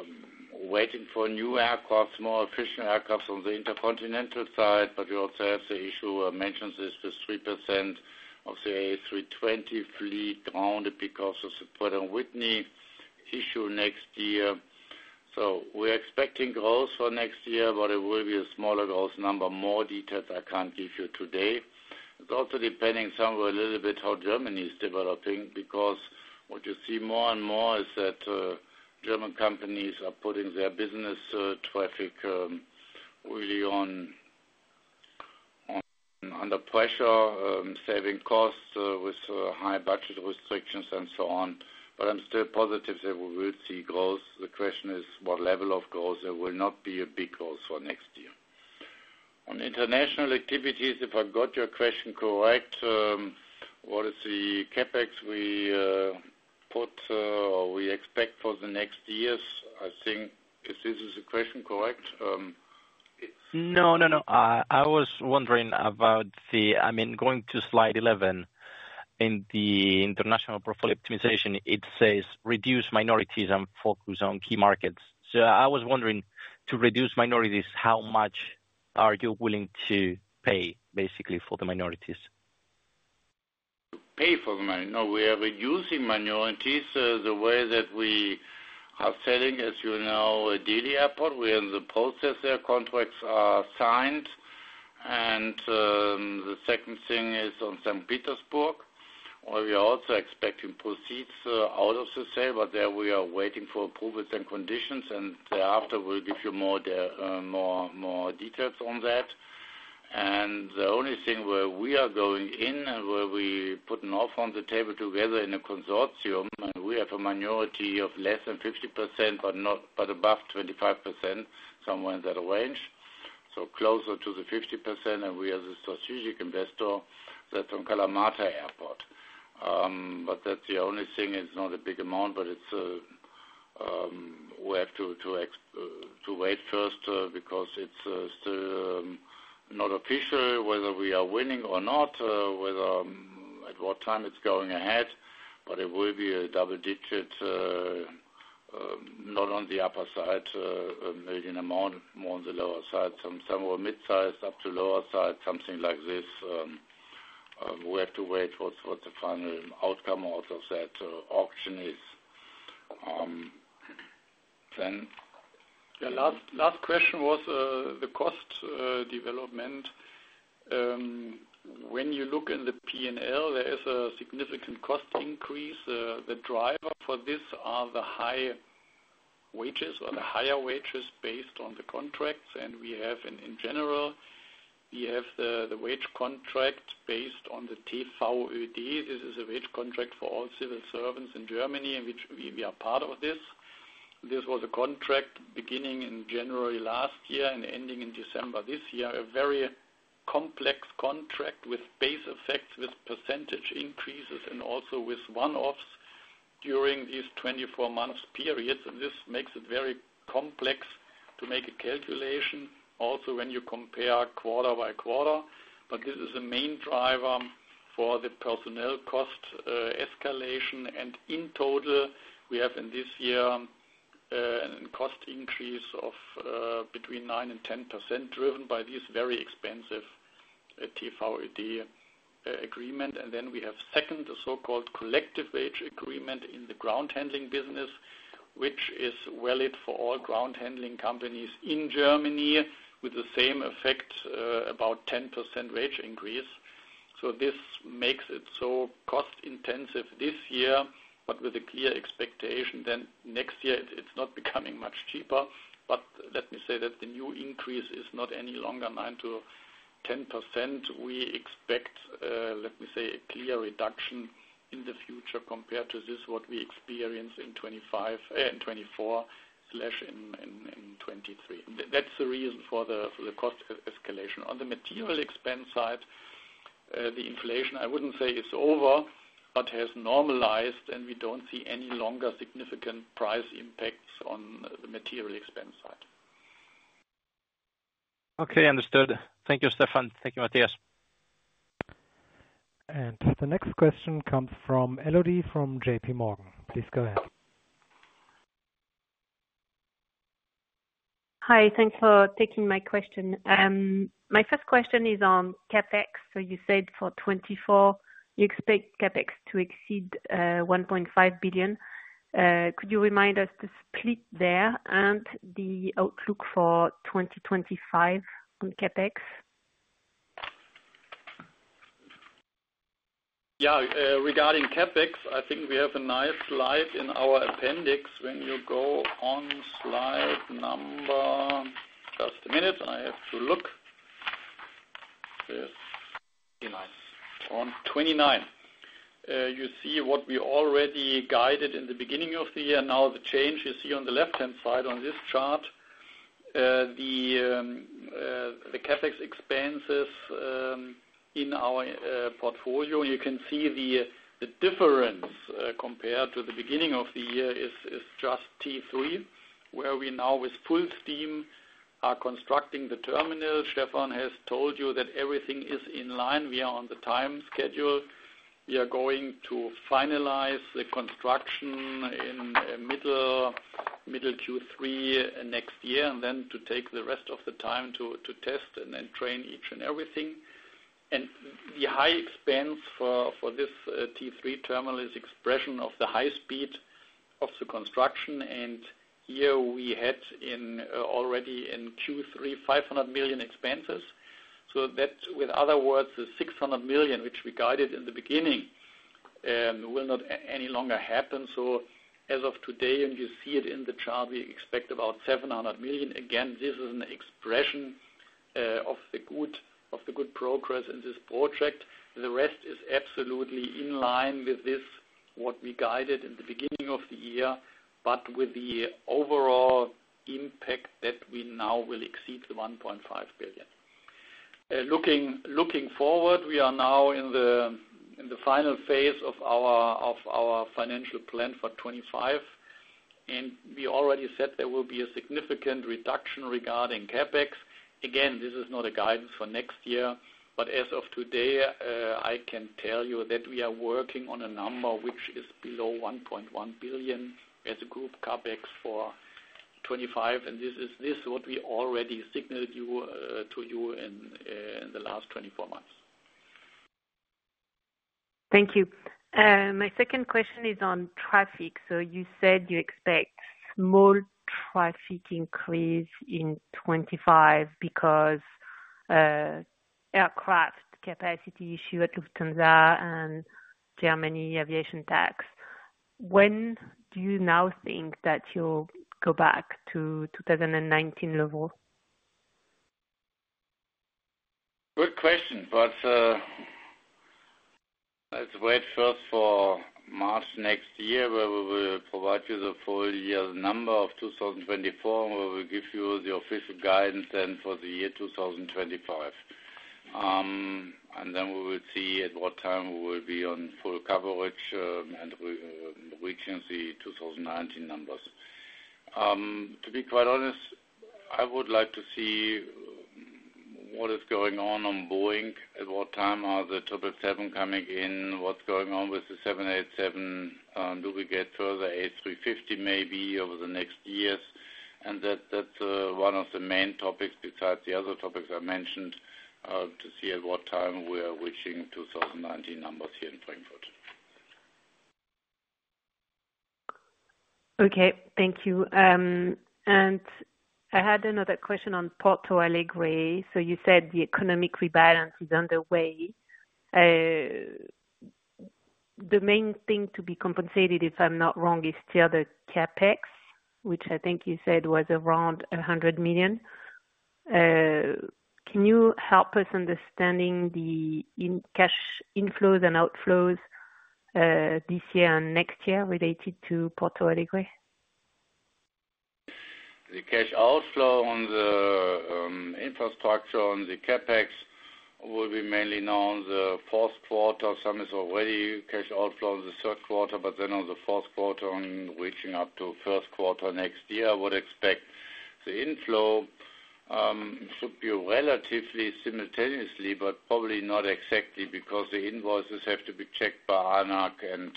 waiting for new aircraft, more efficient aircraft on the intercontinental side. But you also have the issue I mentioned, which is the 3% of the A320 fleet grounded because of the Pratt & Whitney issue next year. So we're expecting growth for next year, but it will be a smaller growth number. More details, I can't give you today. It's also depending somewhere a little bit on how Germany is developing, because what you see more and more is that German companies are putting their business traffic really under pressure, saving costs with high budget restrictions and so on. But I'm still positive that we will see growth. The question is what level of growth. There will not be a big growth for next year. On international activities, if I got your question correct, what is the CapEx we put or we expect for the next years? I think, if this is the question correct, it's No, no, no. I was wondering about the, I mean, going to slide 11 in the international portfolio optimization, it says, "Reduce minorities and focus on key markets." So I was wondering, to reduce minorities, how much are you willing to pay, basically, for the minorities? To pay for the minorities? No, we are reducing minorities the way that we are selling, as you know, at Delhi Airport. We are in the process. Their contracts are signed. And the second thing is on St. Petersburg, where we are also expecting proceeds out of the sale, but there we are waiting for approvals and conditions. And thereafter, we'll give you more details on that. And the only thing where we are going in and where we put an offer on the table together in a consortium, and we have a minority of less than 50% but above 25%, somewhere in that range, so closer to the 50%. And we are the strategic investor that's on Kalamata Airport. But that's the only thing. It's not a big amount, but we have to wait first because it's still not official whether we are winning or not, at what time it's going ahead. But it will be a double-digit, not on the upper side, a million amount, more on the lower side, somewhere mid-sized up to lower side, something like this. We have to wait what the final outcome out of that auction is. Then the last question was the cost development. When you look in the P&L, there is a significant cost increase. The driver for this are the high wages or the higher wages based on the contracts. In general, we have the wage contract based on the TVöD. This is a wage contract for all civil servants in Germany, and we are part of this. This was a contract beginning in January last year and ending in December this year, a very complex contract with base effects, with percentage increases, and also with one-offs during these 24-month periods. This makes it very complex to make a calculation, also when you compare quarter by quarter. But this is a main driver for the personnel cost escalation. In total, we have in this year a cost increase of between nine and 10% driven by this very expensive TVöD agreement. And then we have second, a so-called collective wage agreement in the ground handling business, which is valid for all ground handling companies in Germany, with the same effect, about 10% wage increase. So this makes it so cost-intensive this year, but with a clear expectation that next year it's not becoming much cheaper. But let me say that the new increase is not any longer, 9%-10%. We expect, let me say, a clear reduction in the future compared to this, what we experienced in 2024 / 2023. That's the reason for the cost escalation. On the material expense side, the inflation, I wouldn't say it's over, but has normalized, and we don't see any longer significant price impacts on the material expense side. Okay. Understood. Thank you, Stefan. Thank you, Matthias. And the next question comes from Elodie from J.P. Morgan. Please go ahead. Hi. Thanks for taking my question. My first question is on CapEx. So you said for 2024, you expect CapEx to exceed 1.5 billion. Could you remind us the split there and the outlook for 2025 on CapEx? Yeah. Regarding CapEx, I think we have a nice slide in our appendix. When you go on slide number 29, you see what we already guided in the beginning of the year. Now, the change you see on the left-hand side on this chart, the CapEx expenses in our portfolio, you can see the difference compared to the beginning of the year is just T3, where we now, with full steam, are constructing the terminal. Stefan has told you that everything is in line. We are on the time schedule. We are going to finalize the construction in middle Q3 next year and then to take the rest of the time to test and then train each and everything. And the high expense for this T3 terminal is an expression of the high speed of the construction. And here, we had already in Q3 500 million expenses. So that, in other words, the 600 million, which we guided in the beginning, will not any longer happen. So as of today, and you see it in the chart, we expect about 700 million. Again, this is an expression of the good progress in this project. The rest is absolutely in line with this, what we guided in the beginning of the year, but with the overall impact that we now will exceed the 1.5 billion. Looking forward, we are now in the final phase of our financial plan for 2025. We already said there will be a significant reduction regarding CapEx. Again, this is not a guidance for next year. But as of today, I can tell you that we are working on a number which is below 1.1 billion as a group CapEx for 2025. And this is what we already signaled to you in the last 24 months. Thank you. My second question is on traffic. So you said you expect small traffic increase in 2025 because of aircraft capacity issue at Lufthansa and Germany aviation tax. When do you now think that you'll go back to 2019 level? Good question. But let's wait first for March next year, where we will provide you the full year's number of 2024, where we'll give you the official guidance then for the year 2025. And then we will see at what time we will be on full coverage and reaching the 2019 numbers. To be quite honest, I would like to see what is going on on Boeing, at what time are the 777s coming in, what's going on with the 787, do we get further A350 maybe over the next years? And that's one of the main topics besides the other topics I mentioned, to see at what time we are reaching 2019 numbers here in Frankfurt. Okay. Thank you. And I had another question on Porto Alegre. So you said the economic rebalance is underway. The main thing to be compensated, if I'm not wrong, is still the CapEx, which I think you said was around 100 million. Can you help us understanding the cash inflows and outflows this year and next year related to Porto Alegre? The cash outflow on the infrastructure on the CapEx will be mainly now in the fourth quarter. Some is already cash outflow in the third quarter, but then on the fourth quarter, reaching up to first quarter next year, I would expect the inflow should be relatively simultaneously, but probably not exactly because the invoices have to be checked by ANAC, and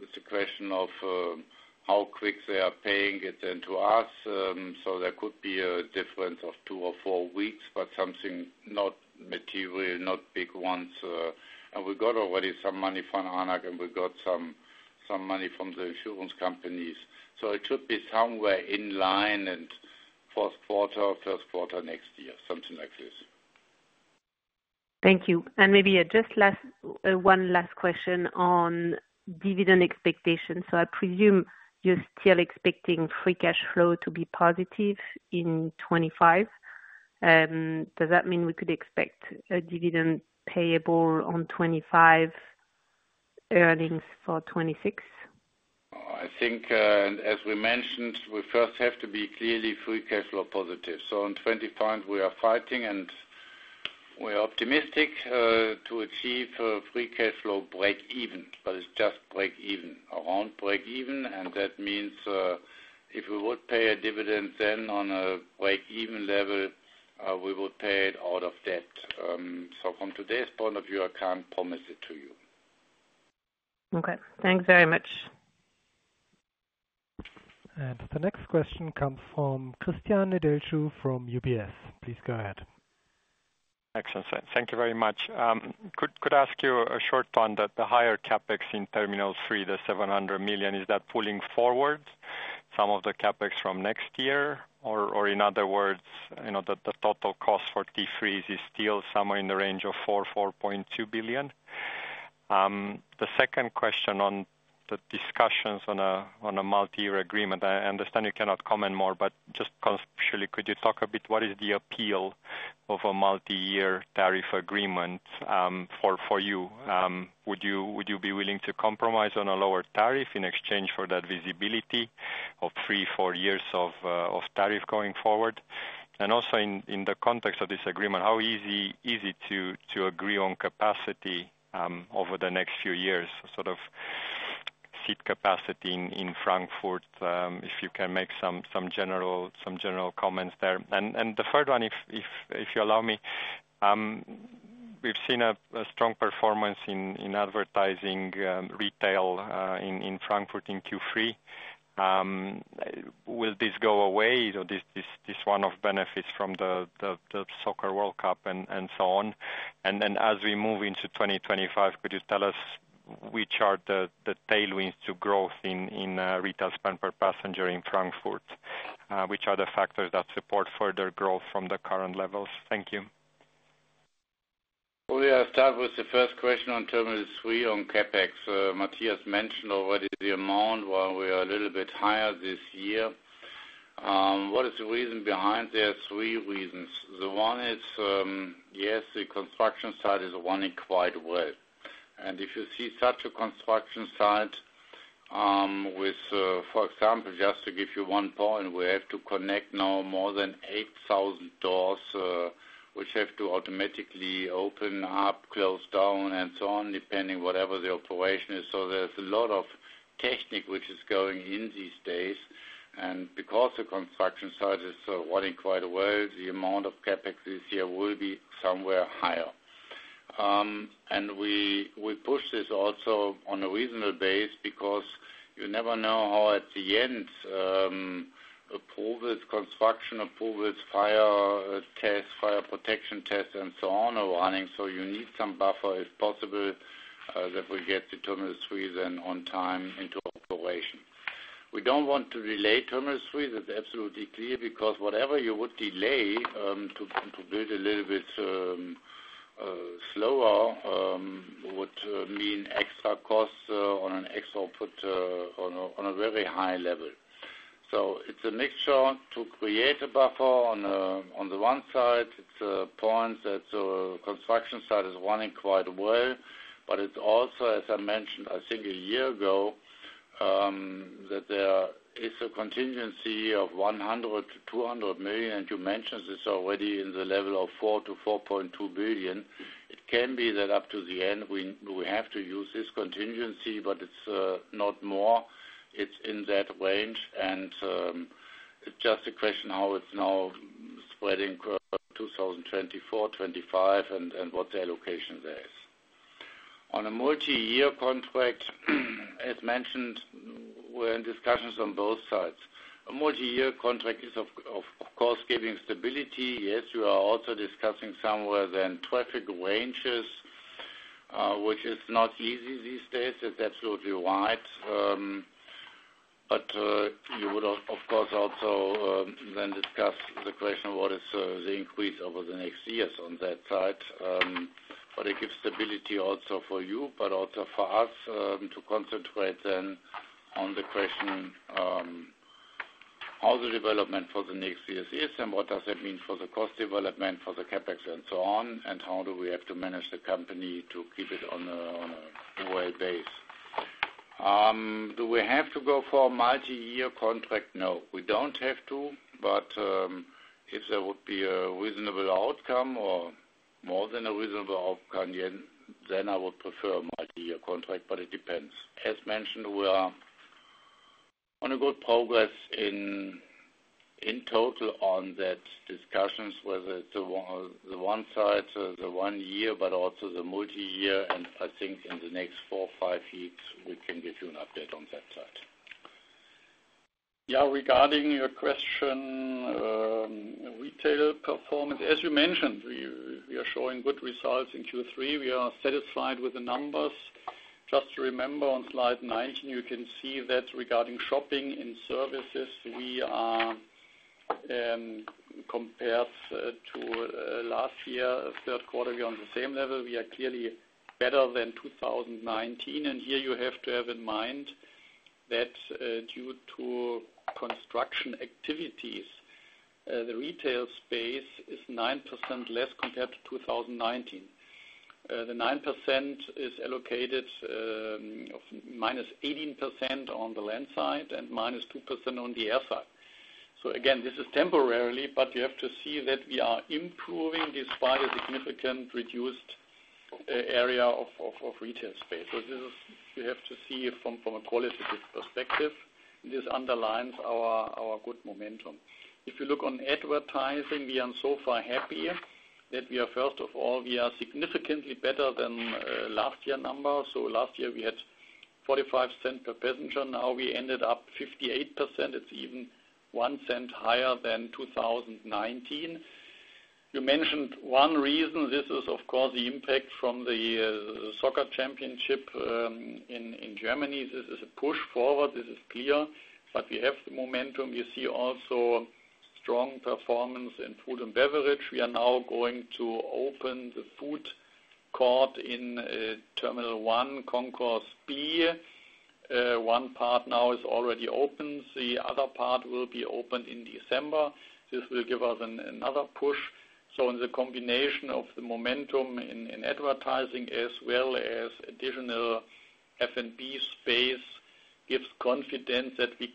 it's a question of how quick they are paying it then to us. So there could be a difference of two or four weeks, but something not material, not big ones, and we got already some money from ANAC, and we got some money from the insurance companies. So it should be somewhere in line in fourth quarter, first quarter next year, something like this. Thank you, and maybe just one last question on dividend expectations. So I presume you're still expecting free cash flow to be positive in 2025. Does that mean we could expect a dividend payable on 2025 earnings for 2026? I think, as we mentioned, we first have to be clearly free cash flow positive. So in 2025, we are fighting, and we are optimistic to achieve a free cash flow break-even, but it's just break-even, around break-even. And that means if we would pay a dividend then on a break-even level, we would pay it out of debt. So from today's point of view, I can't promise it to you. Okay. Thanks very much. And the next question comes from Christian Nedelcu from UBS. Please go ahead. Excellent. Thank you very much. Could I ask you a short one? The higher CapEx in Terminal 3, the 700 million, is that pulling forward some of the CapEx from next year? Or, in other words, the total cost for T3 is still somewhere in the range of 4-4.2 billion? The second question on the discussions on a multi-year agreement. I understand you cannot comment more, but just conceptually, could you talk a bit? What is the appeal of a multi-year tariff agreement for you? Would you be willing to compromise on a lower tariff in exchange for that visibility of three, four years of tariff going forward? And also in the context of this agreement, how easy is it to agree on capacity over the next few years, sort of seat capacity in Frankfurt, if you can make some general comments there? And the third one, if you allow me, we've seen a strong performance in advertising retail in Frankfurt in Q3. Will this go away? This one-off benefits from the soccer World Cup and so on. And then as we move into 2025, could you tell us which are the tailwinds to growth in retail spend per passenger in Frankfurt? Which are the factors that support further growth from the current levels? Thank you. We have started with the first question on Terminal 3 on CapEx. Matthias mentioned already the amount, while we are a little bit higher this year. What is the reason behind there? Three reasons. The one is, yes, the construction site is running quite well. And if you see such a construction site with, for example, just to give you one point, we have to connect now more than 8,000 doors, which have to automatically open up, close down, and so on, depending whatever the operation is. So there's a lot of technology which is going in these days. Because the construction site is running quite well, the amount of CapEx this year will be somewhat higher. We push this also on a reasonable basis because you never know how at the end, approvals, construction approvals, fire tests, fire protection tests, and so on are running. You need some buffer, if possible, that we get to Terminal 3 then on time into operation. We don't want to delay Terminal 3. That's absolutely clear because whatever you would delay to build a little bit slower would mean extra costs on an ex post on a very high level. It's a mixture to create a buffer on the one side. It's a point that the construction site is running quite well, but it's also, as I mentioned, I think a year ago that there is a contingency of 100 million-200 million, and you mentioned this already in the level of 4 billion-4.2 billion. It can be that up to the end, we have to use this contingency, but it's not more. It's in that range, and it's just a question how it's now spreading for 2024, 2025, and what the allocation there is. On a multi-year contract, as mentioned, we're in discussions on both sides. A multi-year contract is, of course, giving stability. Yes, we are also discussing somewhere then traffic ranges, which is not easy these days. That's absolutely right, but you would, of course, also then discuss the question of what is the increase over the next years on that side. But it gives stability also for you, but also for us to concentrate then on the question of how the development for the next years is and what does that mean for the cost development, for the CapEx, and so on, and how do we have to manage the company to keep it on a wide base. Do we have to go for a multi-year contract? No. We don't have to, but if there would be a reasonable outcome or more than a reasonable outcome, then I would prefer a multi-year contract, but it depends. As mentioned, we are on a good progress in total on that discussions, whether it's the one side, the one year, but also the multi-year. And I think in the next four, five weeks, we can give you an update on that side. Yeah. Regarding your question, retail performance, as you mentioned, we are showing good results in Q3. We are satisfied with the numbers. Just to remember, on slide 19, you can see that regarding shopping and services, we are compared to last year, third quarter, we are on the same level. We are clearly better than 2019, and here you have to have in mind that due to construction activities, the retail space is 9% less compared to 2019. The 9% is allocated of -18% on the land side and -2% on the air side. So again, this is temporary, but you have to see that we are improving despite a significant reduced area of retail space. So this is, you have to see from a qualitative perspective. This underlines our good momentum. If you look on advertising, we are so far happy that, first of all, we are significantly better than last year's number. So last year, we had 0.45 per passenger. Now we ended up with 0.58. It's even 0.01 higher than 2019. You mentioned one reason. This is, of course, the impact from the soccer championship in Germany. This is a push forward. This is clear. But we have the momentum. You see also strong performance in food and beverage. We are now going to open the food court in Terminal 1, Concourse B. One part now is already open. The other part will be opened in December. This will give us another push. So in the combination of the momentum in advertising as well as additional F&B space gives confidence that we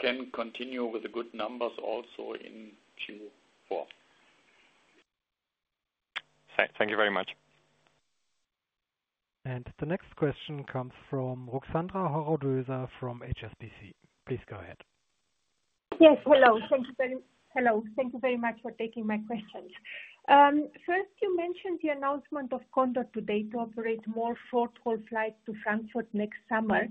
can continue with the good numbers also in Q4. Thank you very much. And the next question comes from Ruxandra Haradau-Döser from HSBC. Please go ahead. Yes. Hello. Thank you very much for taking my questions. First, you mentioned the announcement of Condor today to operate more short-haul flights to Frankfurt next summer.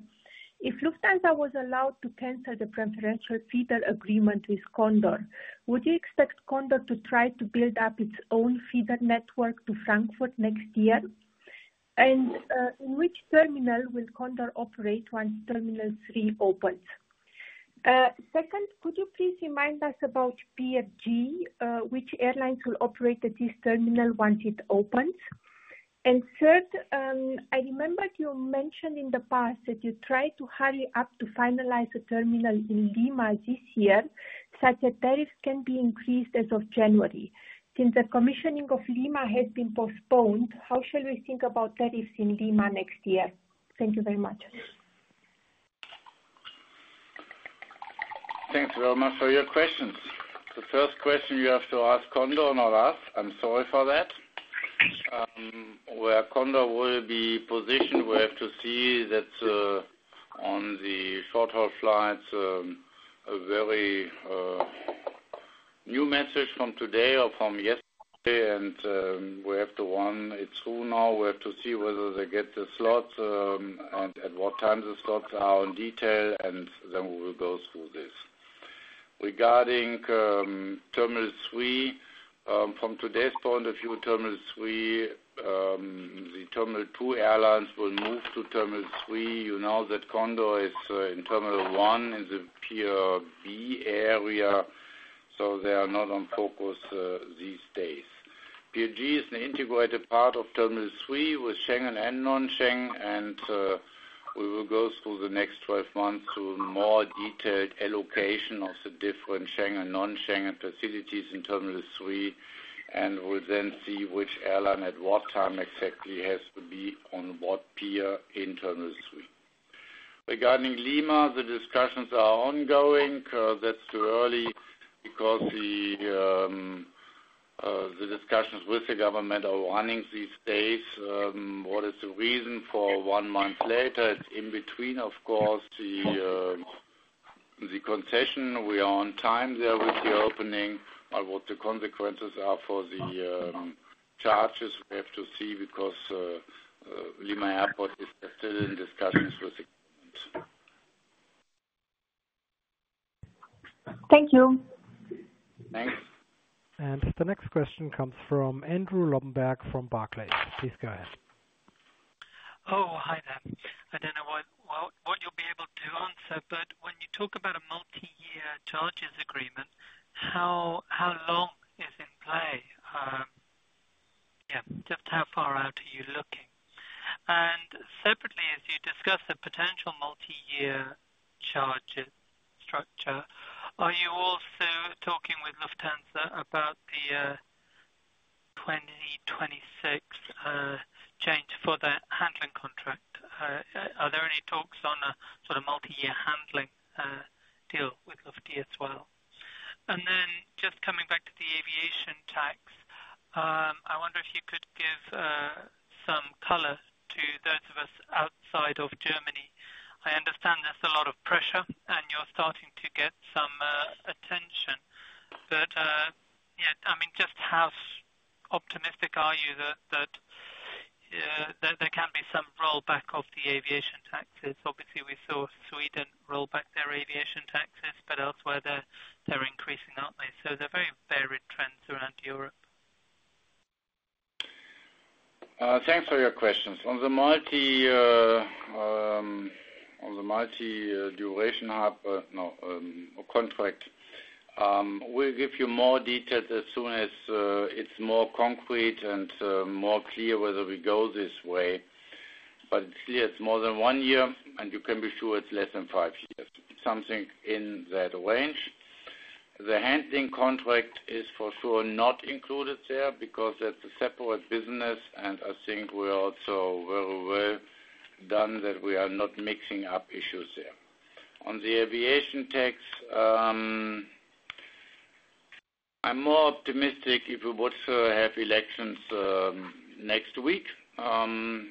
If Lufthansa was allowed to cancel the preferential feeder agreement with Condor, would you expect Condor to try to build up its own feeder network to Frankfurt next year? And in which terminal will Condor operate once Terminal 3 opens? Second, could you please remind us about Pier G, which airlines will operate at this terminal once it opens? And third, I remembered you mentioned in the past that you tried to hurry up to finalize a terminal in Lima this year, such that tariffs can be increased as of January. Since the commissioning of Lima has been postponed, how shall we think about tariffs in Lima next year? Thank you very much. Thanks very much for your questions. The first question you have to ask Condor, not us. I'm sorry for that. Where Condor will be positioned, we have to see that on the short-haul flights, a very new message from today or from yesterday, and we have to run it through now. We have to see whether they get the slots and at what time the slots are in detail, and then we will go through this. Regarding Terminal 3, from today's point of view, Terminal 3, the Terminal 2 airlines will move to Terminal 3. You know that Condor is in Terminal 1 in the Pie B area, so they are not on focus these days. Pier G is an integrated part of Terminal 3 with Schengen and non-Schengen, and we will go through the next 12 months to a more detailed allocation of the different Schengen and non-Schengen facilities in Terminal 3, and we'll then see which airline at what time exactly has to be on what pier in Terminal 3. Regarding Lima, the discussions are ongoing. That's too early because the discussions with the government are running these days. What is the reason for one month later? It's in between, of course, the concession. We are on time there with the opening, but what the consequences are for the charges, we have to see because Lima Airport is still in discussions with the government. Thank you. Thanks. And the next question comes from Andrew Lobbenberg from Barclays. Please go ahead. Oh, hi there. I don't know what you'll be able to do on set, but when you talk about a multi-year charges agreement, how long is in play? Yeah. Just how far out are you looking? And separately, as you discuss the potential multi-year charge structure, are you also talking with Lufthansa about the 2026 change The handling contract is for sure not included there because that's a separate business, and I think we're also very well done that we are not mixing up issues there. On the aviation tax, I'm more optimistic if we would have elections next week on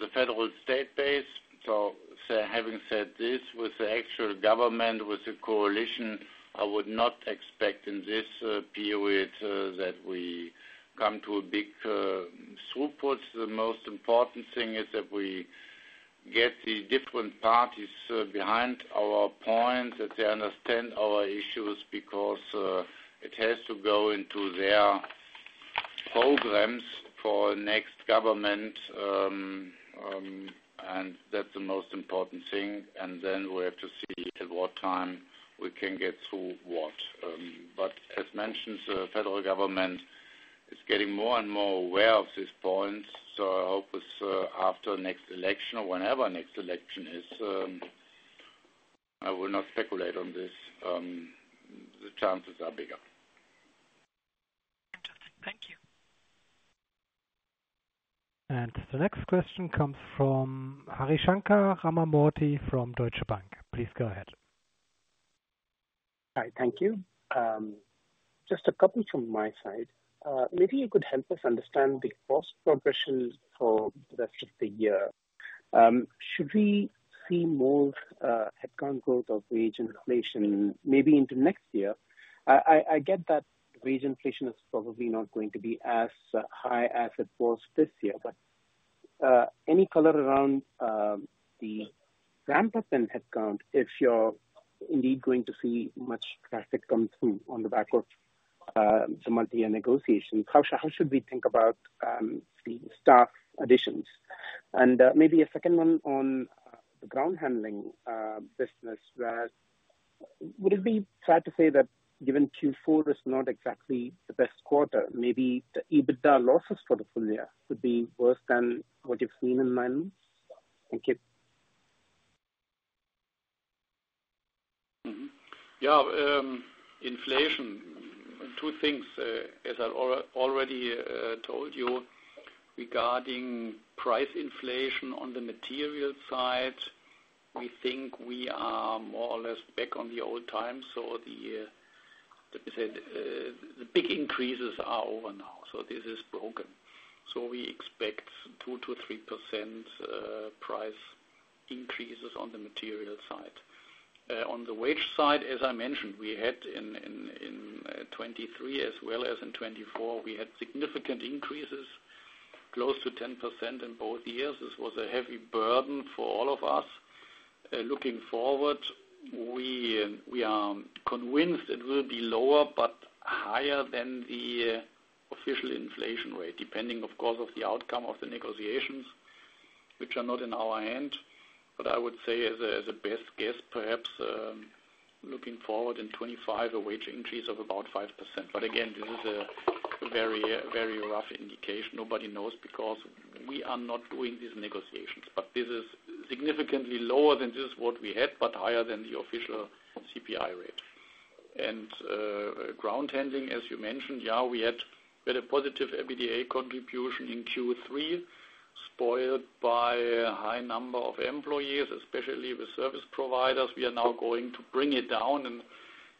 the federal state base. So having said this, with the actual government, with the coalition, I would not expect in this period that we come to a big throughput. The most important thing is that we get the different parties behind our point, that they understand our issues because it has to go into their programs for next government, and that's the most important thing, and then we have to see at what time we can get through what, but as mentioned, the federal government is getting more and more aware of this point, so I hope after next election or whenever next election is, I will not speculate on this. The chances are bigger. Fantastic. Thank you, and the next question comes from Harishankar Ramamurthy from Deutsche Bank. Please go ahead. Hi. Thank you. Just a couple from my side. Maybe you could help us understand the cost progression for the rest of the year. Should we see more headcount growth of wage inflation maybe into next year? I get that wage inflation is probably not going to be as high as it was this year, but any color around the ramp-up in headcount if you're indeed going to see much traffic come through on the back of the multi-year negotiations? How should we think about the staff additions? And maybe a second one on the ground handling business, would it be fair to say that given Q4 is not exactly the best quarter, maybe the EBITDA losses for the full year could be worse than what you've seen in nine months? Thank you. Yeah. Inflation, two things, as I already told you. Regarding price inflation on the material side, we think we are more or less back on the old time. So the big increases are over now. So this is broken. So we expect 2%-3% price increases on the material side. On the wage side, as I mentioned, we had in 2023 as well as in 2024, we had significant increases, close to 10% in both years. This was a heavy burden for all of us. Looking forward, we are convinced it will be lower but higher than the official inflation rate, depending, of course, on the outcome of the negotiations, which are not in our hand. But I would say as a best guess, perhaps looking forward in 2025, a wage increase of about 5%. But again, this is a very, very rough indication. Nobody knows because we are not doing these negotiations. But this is significantly lower than what we had, but higher than the official CPI rate. Ground handling, as you mentioned, yeah, we had a very positive EBITDA contribution in Q3, spoiled by a high number of employees, especially with service providers. We are now going to bring it down, and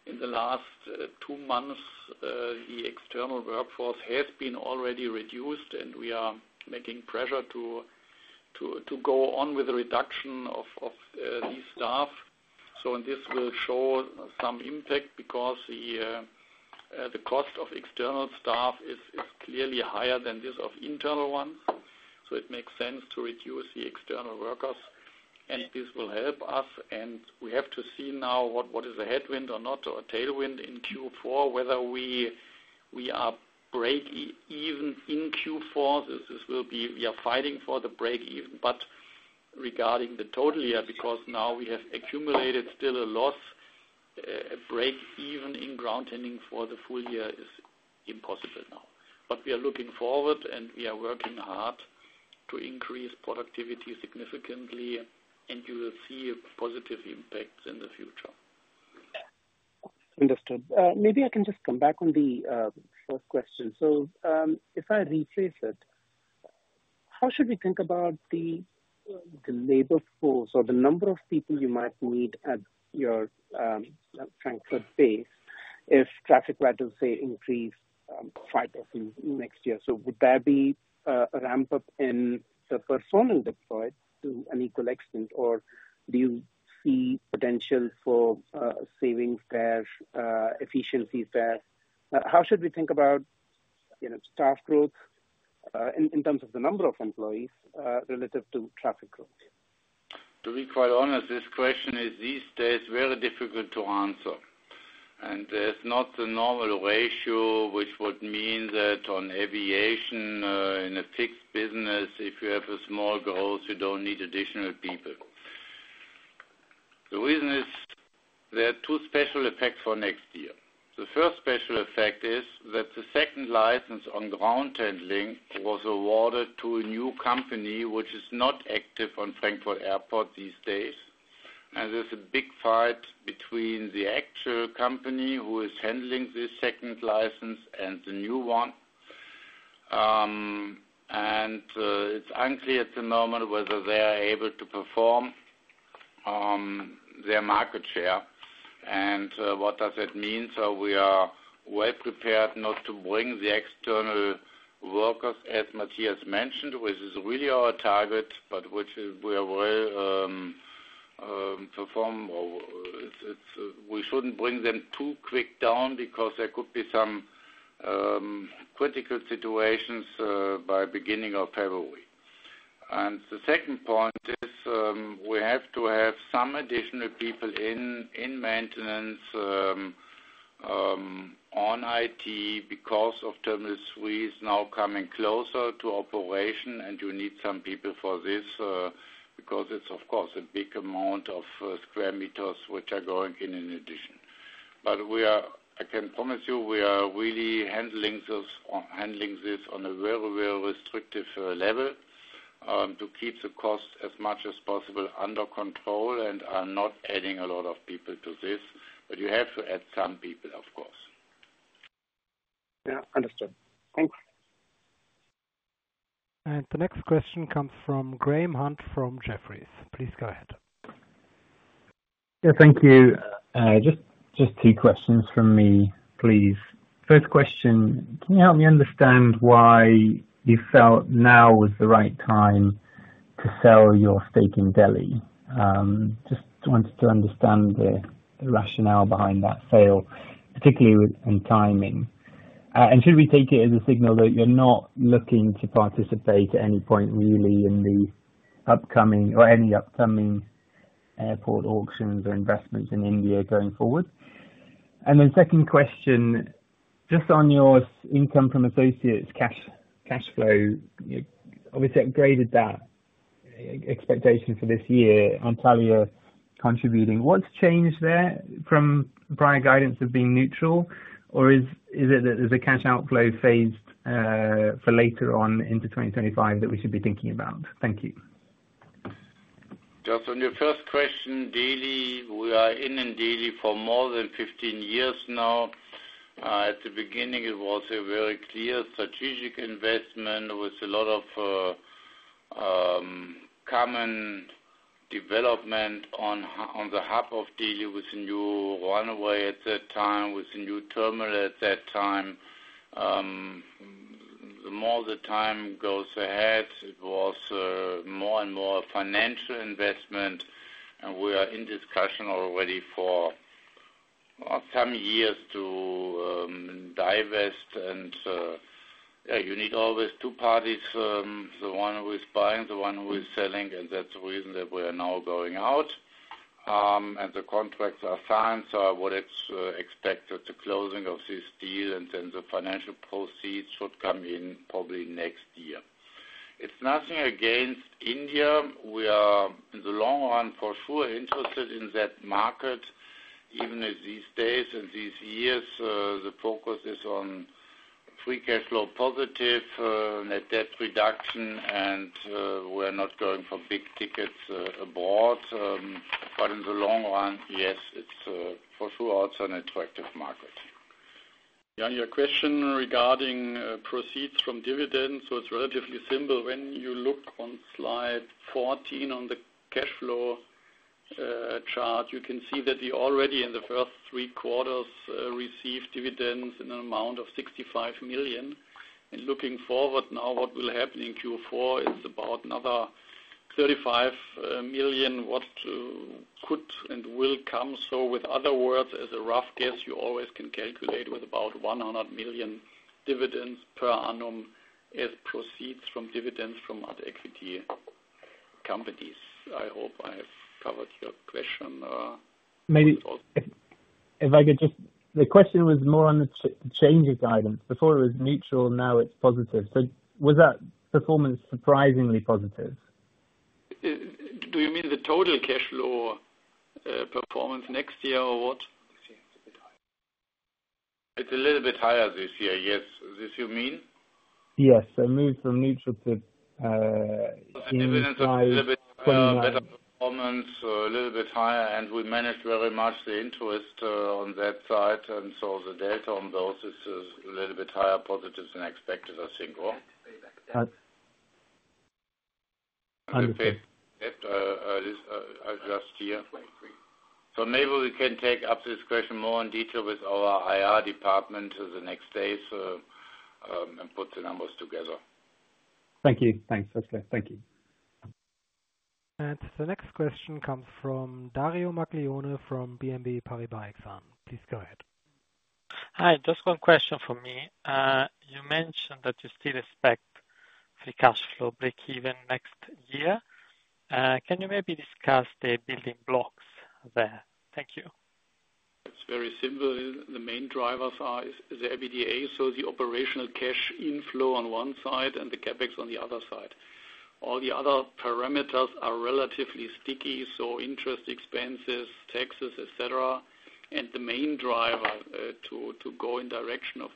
in the last two months, the external workforce has been already reduced, and we are making pressure to go on with the reduction of these staff. So this will show some impact because the cost of external staff is clearly higher than that of internal ones. So it makes sense to reduce the external workers, and this will help us, and we have to see now what is a headwind or not or a tailwind in Q4, whether we are break-even in Q4. This will be. We are fighting for the break-even, but regarding the total year, because now we have accumulated still a loss, a break-even in ground handling for the full year is impossible now, but we are looking forward, and we are working hard to increase productivity significantly, and you will see positive impacts in the future. Understood. Maybe I can just come back on the first question. So if I rephrase it, how should we think about the labor force or the number of people you might need at your Frankfurt base if traffic rates, say, increase 5% next year? So would there be a ramp-up in the personnel deployed to an equal extent, or do you see potential for savings there, efficiencies there? How should we think about staff growth in terms of the number of employees relative to traffic growth? To be quite honest, this question is these days very difficult to answer. And there's not the normal ratio, which would mean that on aviation, in a fixed business, if you have a small growth, you don't need additional people. The reason is there are two special effects for next year. The first special effect is that the second license on ground handling was awarded to a new company, which is not active on Frankfurt Airport these days, and there's a big fight between the actual company who is handling this second license and the new one, and it's unclear at the moment whether they are able to perform their market share and what does that mean, so we are well prepared not to bring the external workers, as Matthias mentioned, which is really our target, but which we are well performed. We shouldn't bring them too quick down because there could be some critical situations by beginning of February. And the second point is we have to have some additional people in maintenance on IT because Terminal 3 is now coming closer to operation, and you need some people for this because it's, of course, a big amount of square meters which are going in in addition. But I can promise you we are really handling this on a very, very restrictive level to keep the cost as much as possible under control and are not adding a lot of people to this. But you have to add some people, of course. Yeah. Understood. Thanks. And the next question comes from Graham Hunt from Jefferies. Please go ahead. Yeah. Thank you. Just two questions from me, please. First question, can you help me understand why you felt now was the right time to sell your stake in Delhi? Just wanted to understand the rationale behind that sale, particularly in timing. And should we take it as a signal that you're not looking to participate at any point really in the upcoming or any upcoming airport auctions or investments in India going forward? And then second question, just on your income from associates cash flow, obviously upgraded that expectation for this year, Antalya contributing. What's changed there from prior guidance of being neutral, or is it that there's a cash outflow phased for later on into 2025 that we should be thinking about? Thank you. Just on your first question, Delhi, we are in Delhi for more than 15 years now. At the beginning, it was a very clear strategic investment with a lot of common development on the hub of Delhi with a new runway at that time, with a new terminal at that time. The more the time goes ahead, it was more and more financial investment, and we are in discussion already for some years to divest, and yeah, you need always two parties, the one who is buying, the one who is selling, and that's the reason that we are now going out, and the contracts are signed, so I would expect the closing of this deal and then the financial proceeds should come in probably next year. It's nothing against India. We are, in the long run, for sure interested in that market, even if these days and these years the focus is on Free Cash Flow positive, Net Debt reduction, and we are not going for big tickets abroad, but in the long run, yes, it's for sure also an attractive market. Yeah. Your question regarding proceeds from dividends, so it's relatively simple. When you look on slide 14 on the cash flow chart, you can see that we already in the first three quarters received dividends in an amount of 65 million. And looking forward now, what will happen in Q4 is about another 35 million what could and will come. So in other words, as a rough guess, you always can calculate with about 100 million dividends per annum as proceeds from dividends from other equity companies. I hope I have covered your question. Maybe if I could just the question was more on the change of guidance. Before it was neutral, now it's positive. So was that performance surprisingly positive? Do you mean the total cash flow performance next year or what? It's a little bit higher this year, yes. This you mean? Yes. So moved from neutral to. Positive evidence of a little bit higher performance, a little bit higher, and we managed very much the interest on that side. And so the data on those is a little bit higher, positive than expected, I think, or underpaid just here. So maybe we can take up this question more in detail with our IR department the next days and put the numbers together. Thank you. Thanks. That's great. Thank you. And the next question comes from Dario Maglione from BNP Paribas Exane. Please go ahead. Hi. Just one question for me. You mentioned that you still expect free cash flow break-even next year. Can you maybe discuss the building blocks there? Thank you. It's very simple. The main drivers are the EBITDA, so the operational cash inflow on one side and the CapEx on the other side. All the other parameters are relatively sticky, so interest, expenses, taxes, etc., and the main driver to go in the direction of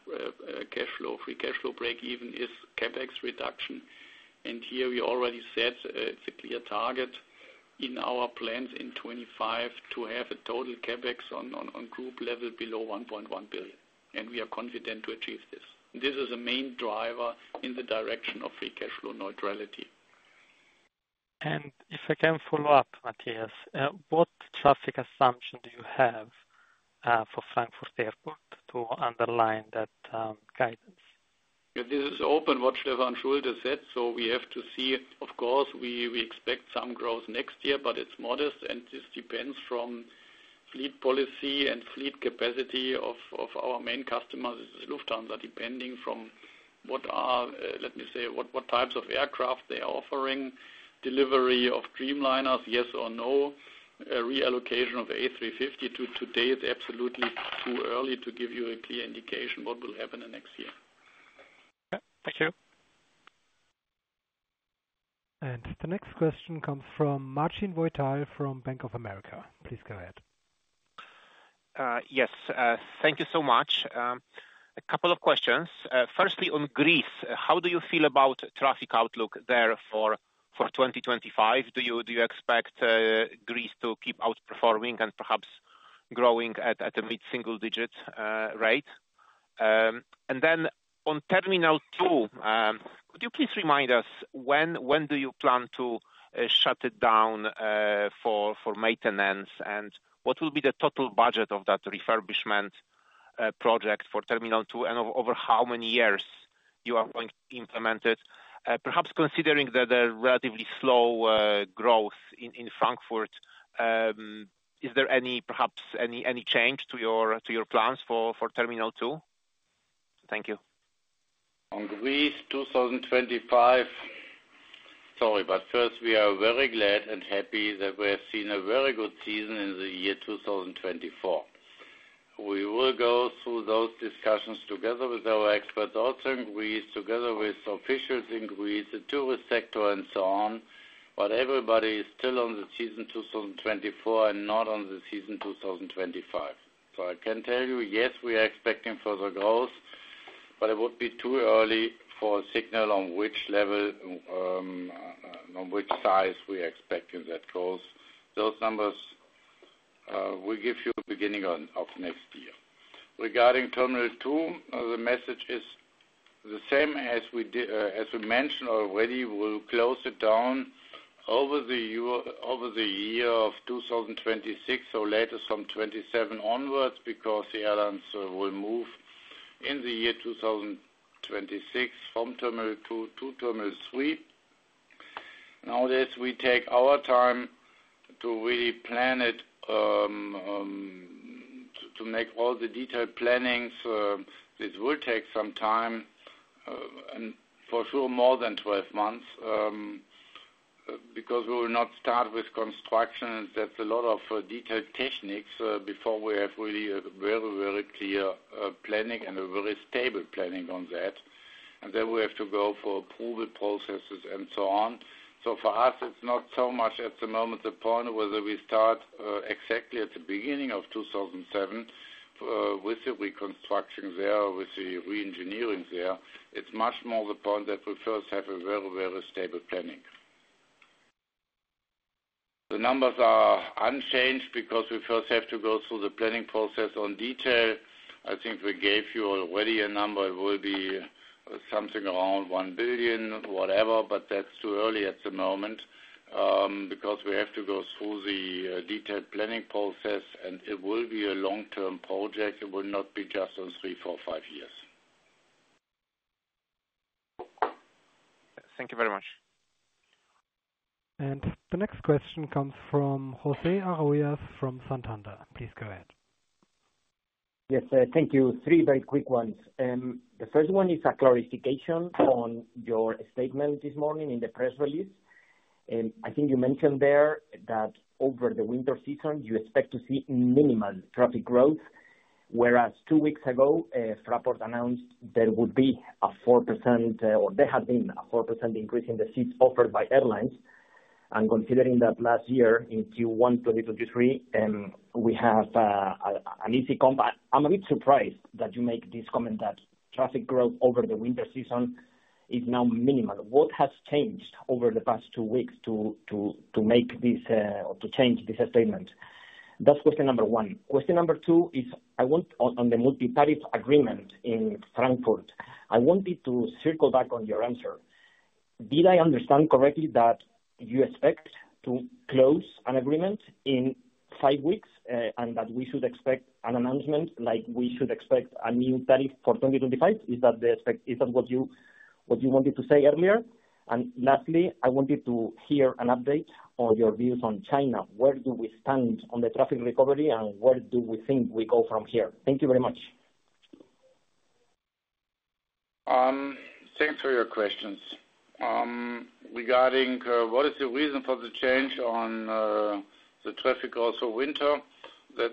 free cash flow break-even is CapEx reduction. Here we already said it's a clear target in our plans in 2025 to have a total CapEx on group level below 1.1 billion, and we are confident to achieve this. This is a main driver in the direction of free cash flow neutrality, and if I can follow up, Matthias, what traffic assumption do you have for Frankfurt Airport to underline that guidance? This is open what Stefan Schulte said. We have to see, of course; we expect some growth next year, but it's modest. And this depends from fleet policy and fleet capacity of our main customers, Lufthansa, depending from what are, let me say, what types of aircraft they are offering, delivery of Dreamliners, yes or no, reallocation of A350. To date, absolutely too early to give you a clear indication what will happen next year. Yeah. Thank you. And the next question comes from Marcin Wojtal from Bank of America. Please go ahead. Yes. Thank you so much. A couple of questions. Firstly, on Greece, how do you feel about traffic outlook there for 2025? Do you expect Greece to keep outperforming and perhaps growing at a mid-single-digit rate? And then on Terminal 2, could you please remind us when do you plan to shut it down for maintenance, and what will be the total budget of that refurbishment project for Terminal 2, and over how many years you are going to implement it? Perhaps considering that there are relatively slow growth in Frankfurt, is there perhaps any change to your plans for Terminal 2? Thank you. On Greece, 2025, sorry, but first, we are very glad and happy that we have seen a very good season in the year 2024. We will go through those discussions together with our experts also in Greece, together with officials in Greece, the tourist sector, and so on, but everybody is still on the season 2024 and not on the season 2025. So I can tell you, yes, we are expecting further growth, but it would be too early for a signal on which level, on which size we are expecting that growth. Those numbers we give you beginning of next year. Regarding Terminal 2, the message is the same as we mentioned already. We'll close it down over the year of 2026, so later from 2027 onwards, because the airlines will move in the year 2026 from Terminal 2 to Terminal 3. Nowadays, we take our time to really plan it, to make all the detailed plannings. This will take some time, and for sure more than 12 months, because we will not start with construction. That's a lot of detailed techniques before we have really very, very clear planning and a very stable planning on that. And then we have to go for approval processes and so on. So for us, it's not so much at the moment the point whether we start exactly at the beginning of 2007 with the reconstruction there, with the re-engineering there. It's much more the point that we first have a very, very stable planning. The numbers are unchanged because we first have to go through the planning process on detail. I think we gave you already a number. It will be something around 1 billion, whatever, but that's too early at the moment because we have to go through the detailed planning process, and it will be a long-term project. It will not be just on three, four, five years. Thank you very much. And the next question comes from José Arroyas from Santander. Please go ahead. Yes. Thank you. Three very quick ones. The first one is a clarification on your statement this morning in the press release. I think you mentioned there that over the winter season, you expect to see minimal traffic growth, whereas two weeks ago, Fraport announced there would be a 4%, or there had been a 4% increase in the seats offered by airlines, and considering that last year in Q1 2023, we have an easy comp, I'm a bit surprised that you make this comment that traffic growth over the winter season is now minimal. What has changed over the past two weeks to make this or to change this statement? That's question number one. Question number two is, on the multi-tariff agreement in Frankfurt, I wanted to circle back on your answer. Did I understand correctly that you expect to close an agreement in five weeks and that we should expect an announcement like we should expect a new tariff for 2025? Is that what you wanted to say earlier? Lastly, I wanted to hear an update on your views on China. Where do we stand on the traffic recovery, and where do we think we go from here? Thank you very much. Thanks for your questions. Regarding what is the reason for the change on the traffic also winter, that's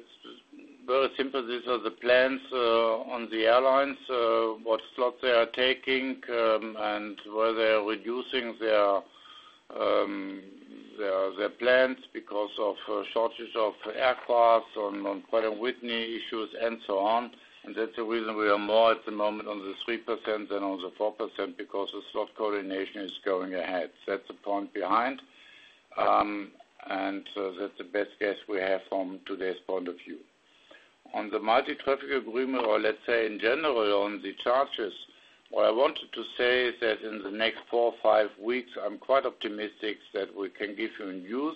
very simple. These are the plans on the airlines, what slots they are taking, and whether they are reducing their plans because of shortage of aircraft on Pratt & Whitney issues and so on. That's the reason we are more at the moment on the 3% than on the 4% because the slot coordination is going ahead. That's the point behind, and that's the best guess we have from today's point of view. On the multi-traffic agreement, or let's say in general on the charges, what I wanted to say is that in the next four or five weeks, I'm quite optimistic that we can give you news,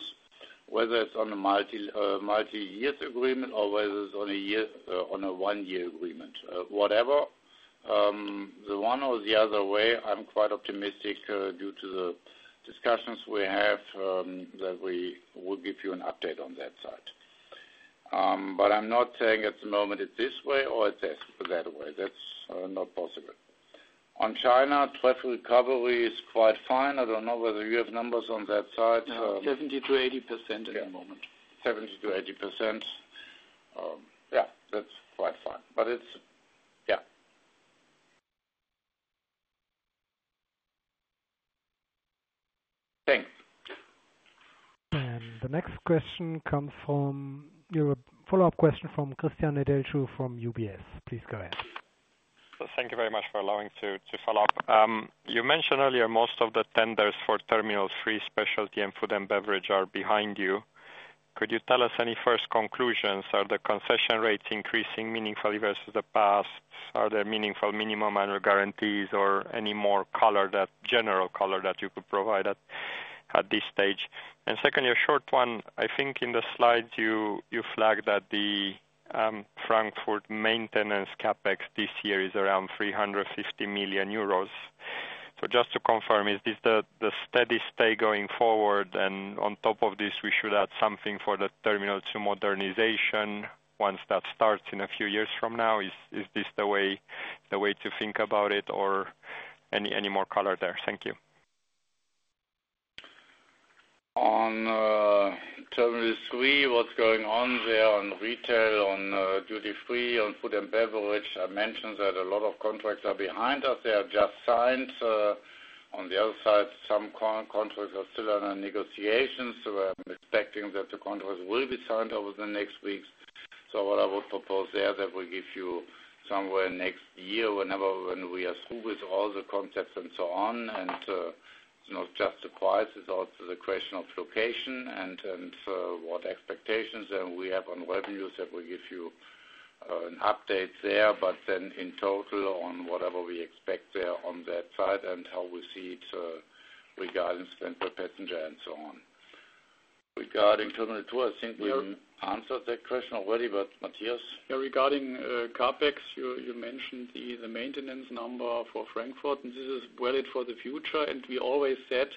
whether it's on a multi-year agreement or whether it's on a one-year agreement, whatever. The one or the other way, I'm quite optimistic due to the discussions we have that we will give you an update on that side. But I'm not saying at the moment it's this way or it's that way. That's not possible. On China, traffic recovery is quite fine. I don't know whether you have numbers on that side. 70%-80% at the moment. Yeah. That's quite fine. But it's yeah. Thanks. And the next question comes from a follow-up question from Christian Nedelcu from UBS. Please go ahead. Thank you very much for allowing me to follow up. You mentioned earlier most of the tenders for Terminal 3 specialty and food and beverage are behind you. Could you tell us any first conclusions? Are the concession rates increasing meaningfully versus the past? Are there meaningful minimum annual guarantees or any more general color that you could provide at this stage? And secondly, a short one. I think in the slides, you flagged that the Frankfurt maintenance CapEx this year is around 350 million euros. So just to confirm, is this the steady state going forward? And on top of this, we should add something for the Terminal 2 modernization once that starts in a few years from now. Is this the way to think about it, or any more color there? Thank you. On Terminal 3, what's going on there on retail, on duty-free, on food and beverage? I mentioned that a lot of contracts are behind us. They are just signed. On the other side, some contracts are still under negotiations. So I'm expecting that the contracts will be signed over the next weeks. So what I would propose there is that we give you somewhere next year when we are through with all the concepts and so on. It's not just the price. It's also the question of location and what expectations we have on revenues. I will give you an update there, but then in total on whatever we expect there on that side and how we see it regarding spend per passenger and so on. Regarding Terminal 2, I think we answered that question already, but Matthias? Yeah. Regarding CapEx, you mentioned the maintenance number for Frankfurt. This is valid for the future. And we always said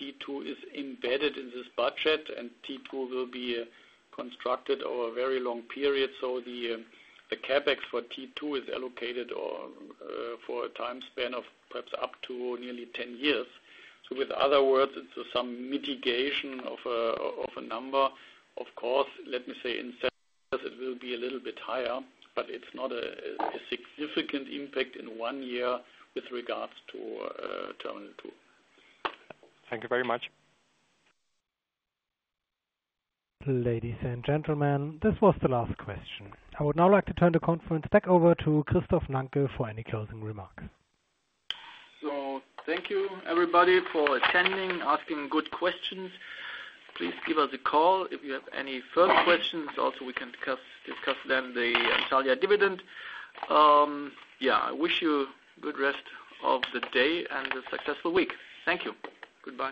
T2 is embedded in this budget, and T2 will be constructed over a very long period. So the CapEx for T2 is allocated for a time span of perhaps up to nearly 10 years. So in other words, it's some mitigation of a number. Of course, let me say in some cases, it will be a little bit higher, but it's not a significant impact in one year with regards to Terminal 2. Thank you very much. Ladies and gentlemen, this was the last question. I would now like to turn the conference back over to Christoph Nanke for any closing remarks. So thank you, everybody, for attending, asking good questions. Please give us a call if you have any further questions. Also, we can discuss then the Antalya dividend. Yeah. I wish you a good rest of the day and a successful week. Thank you. Goodbye.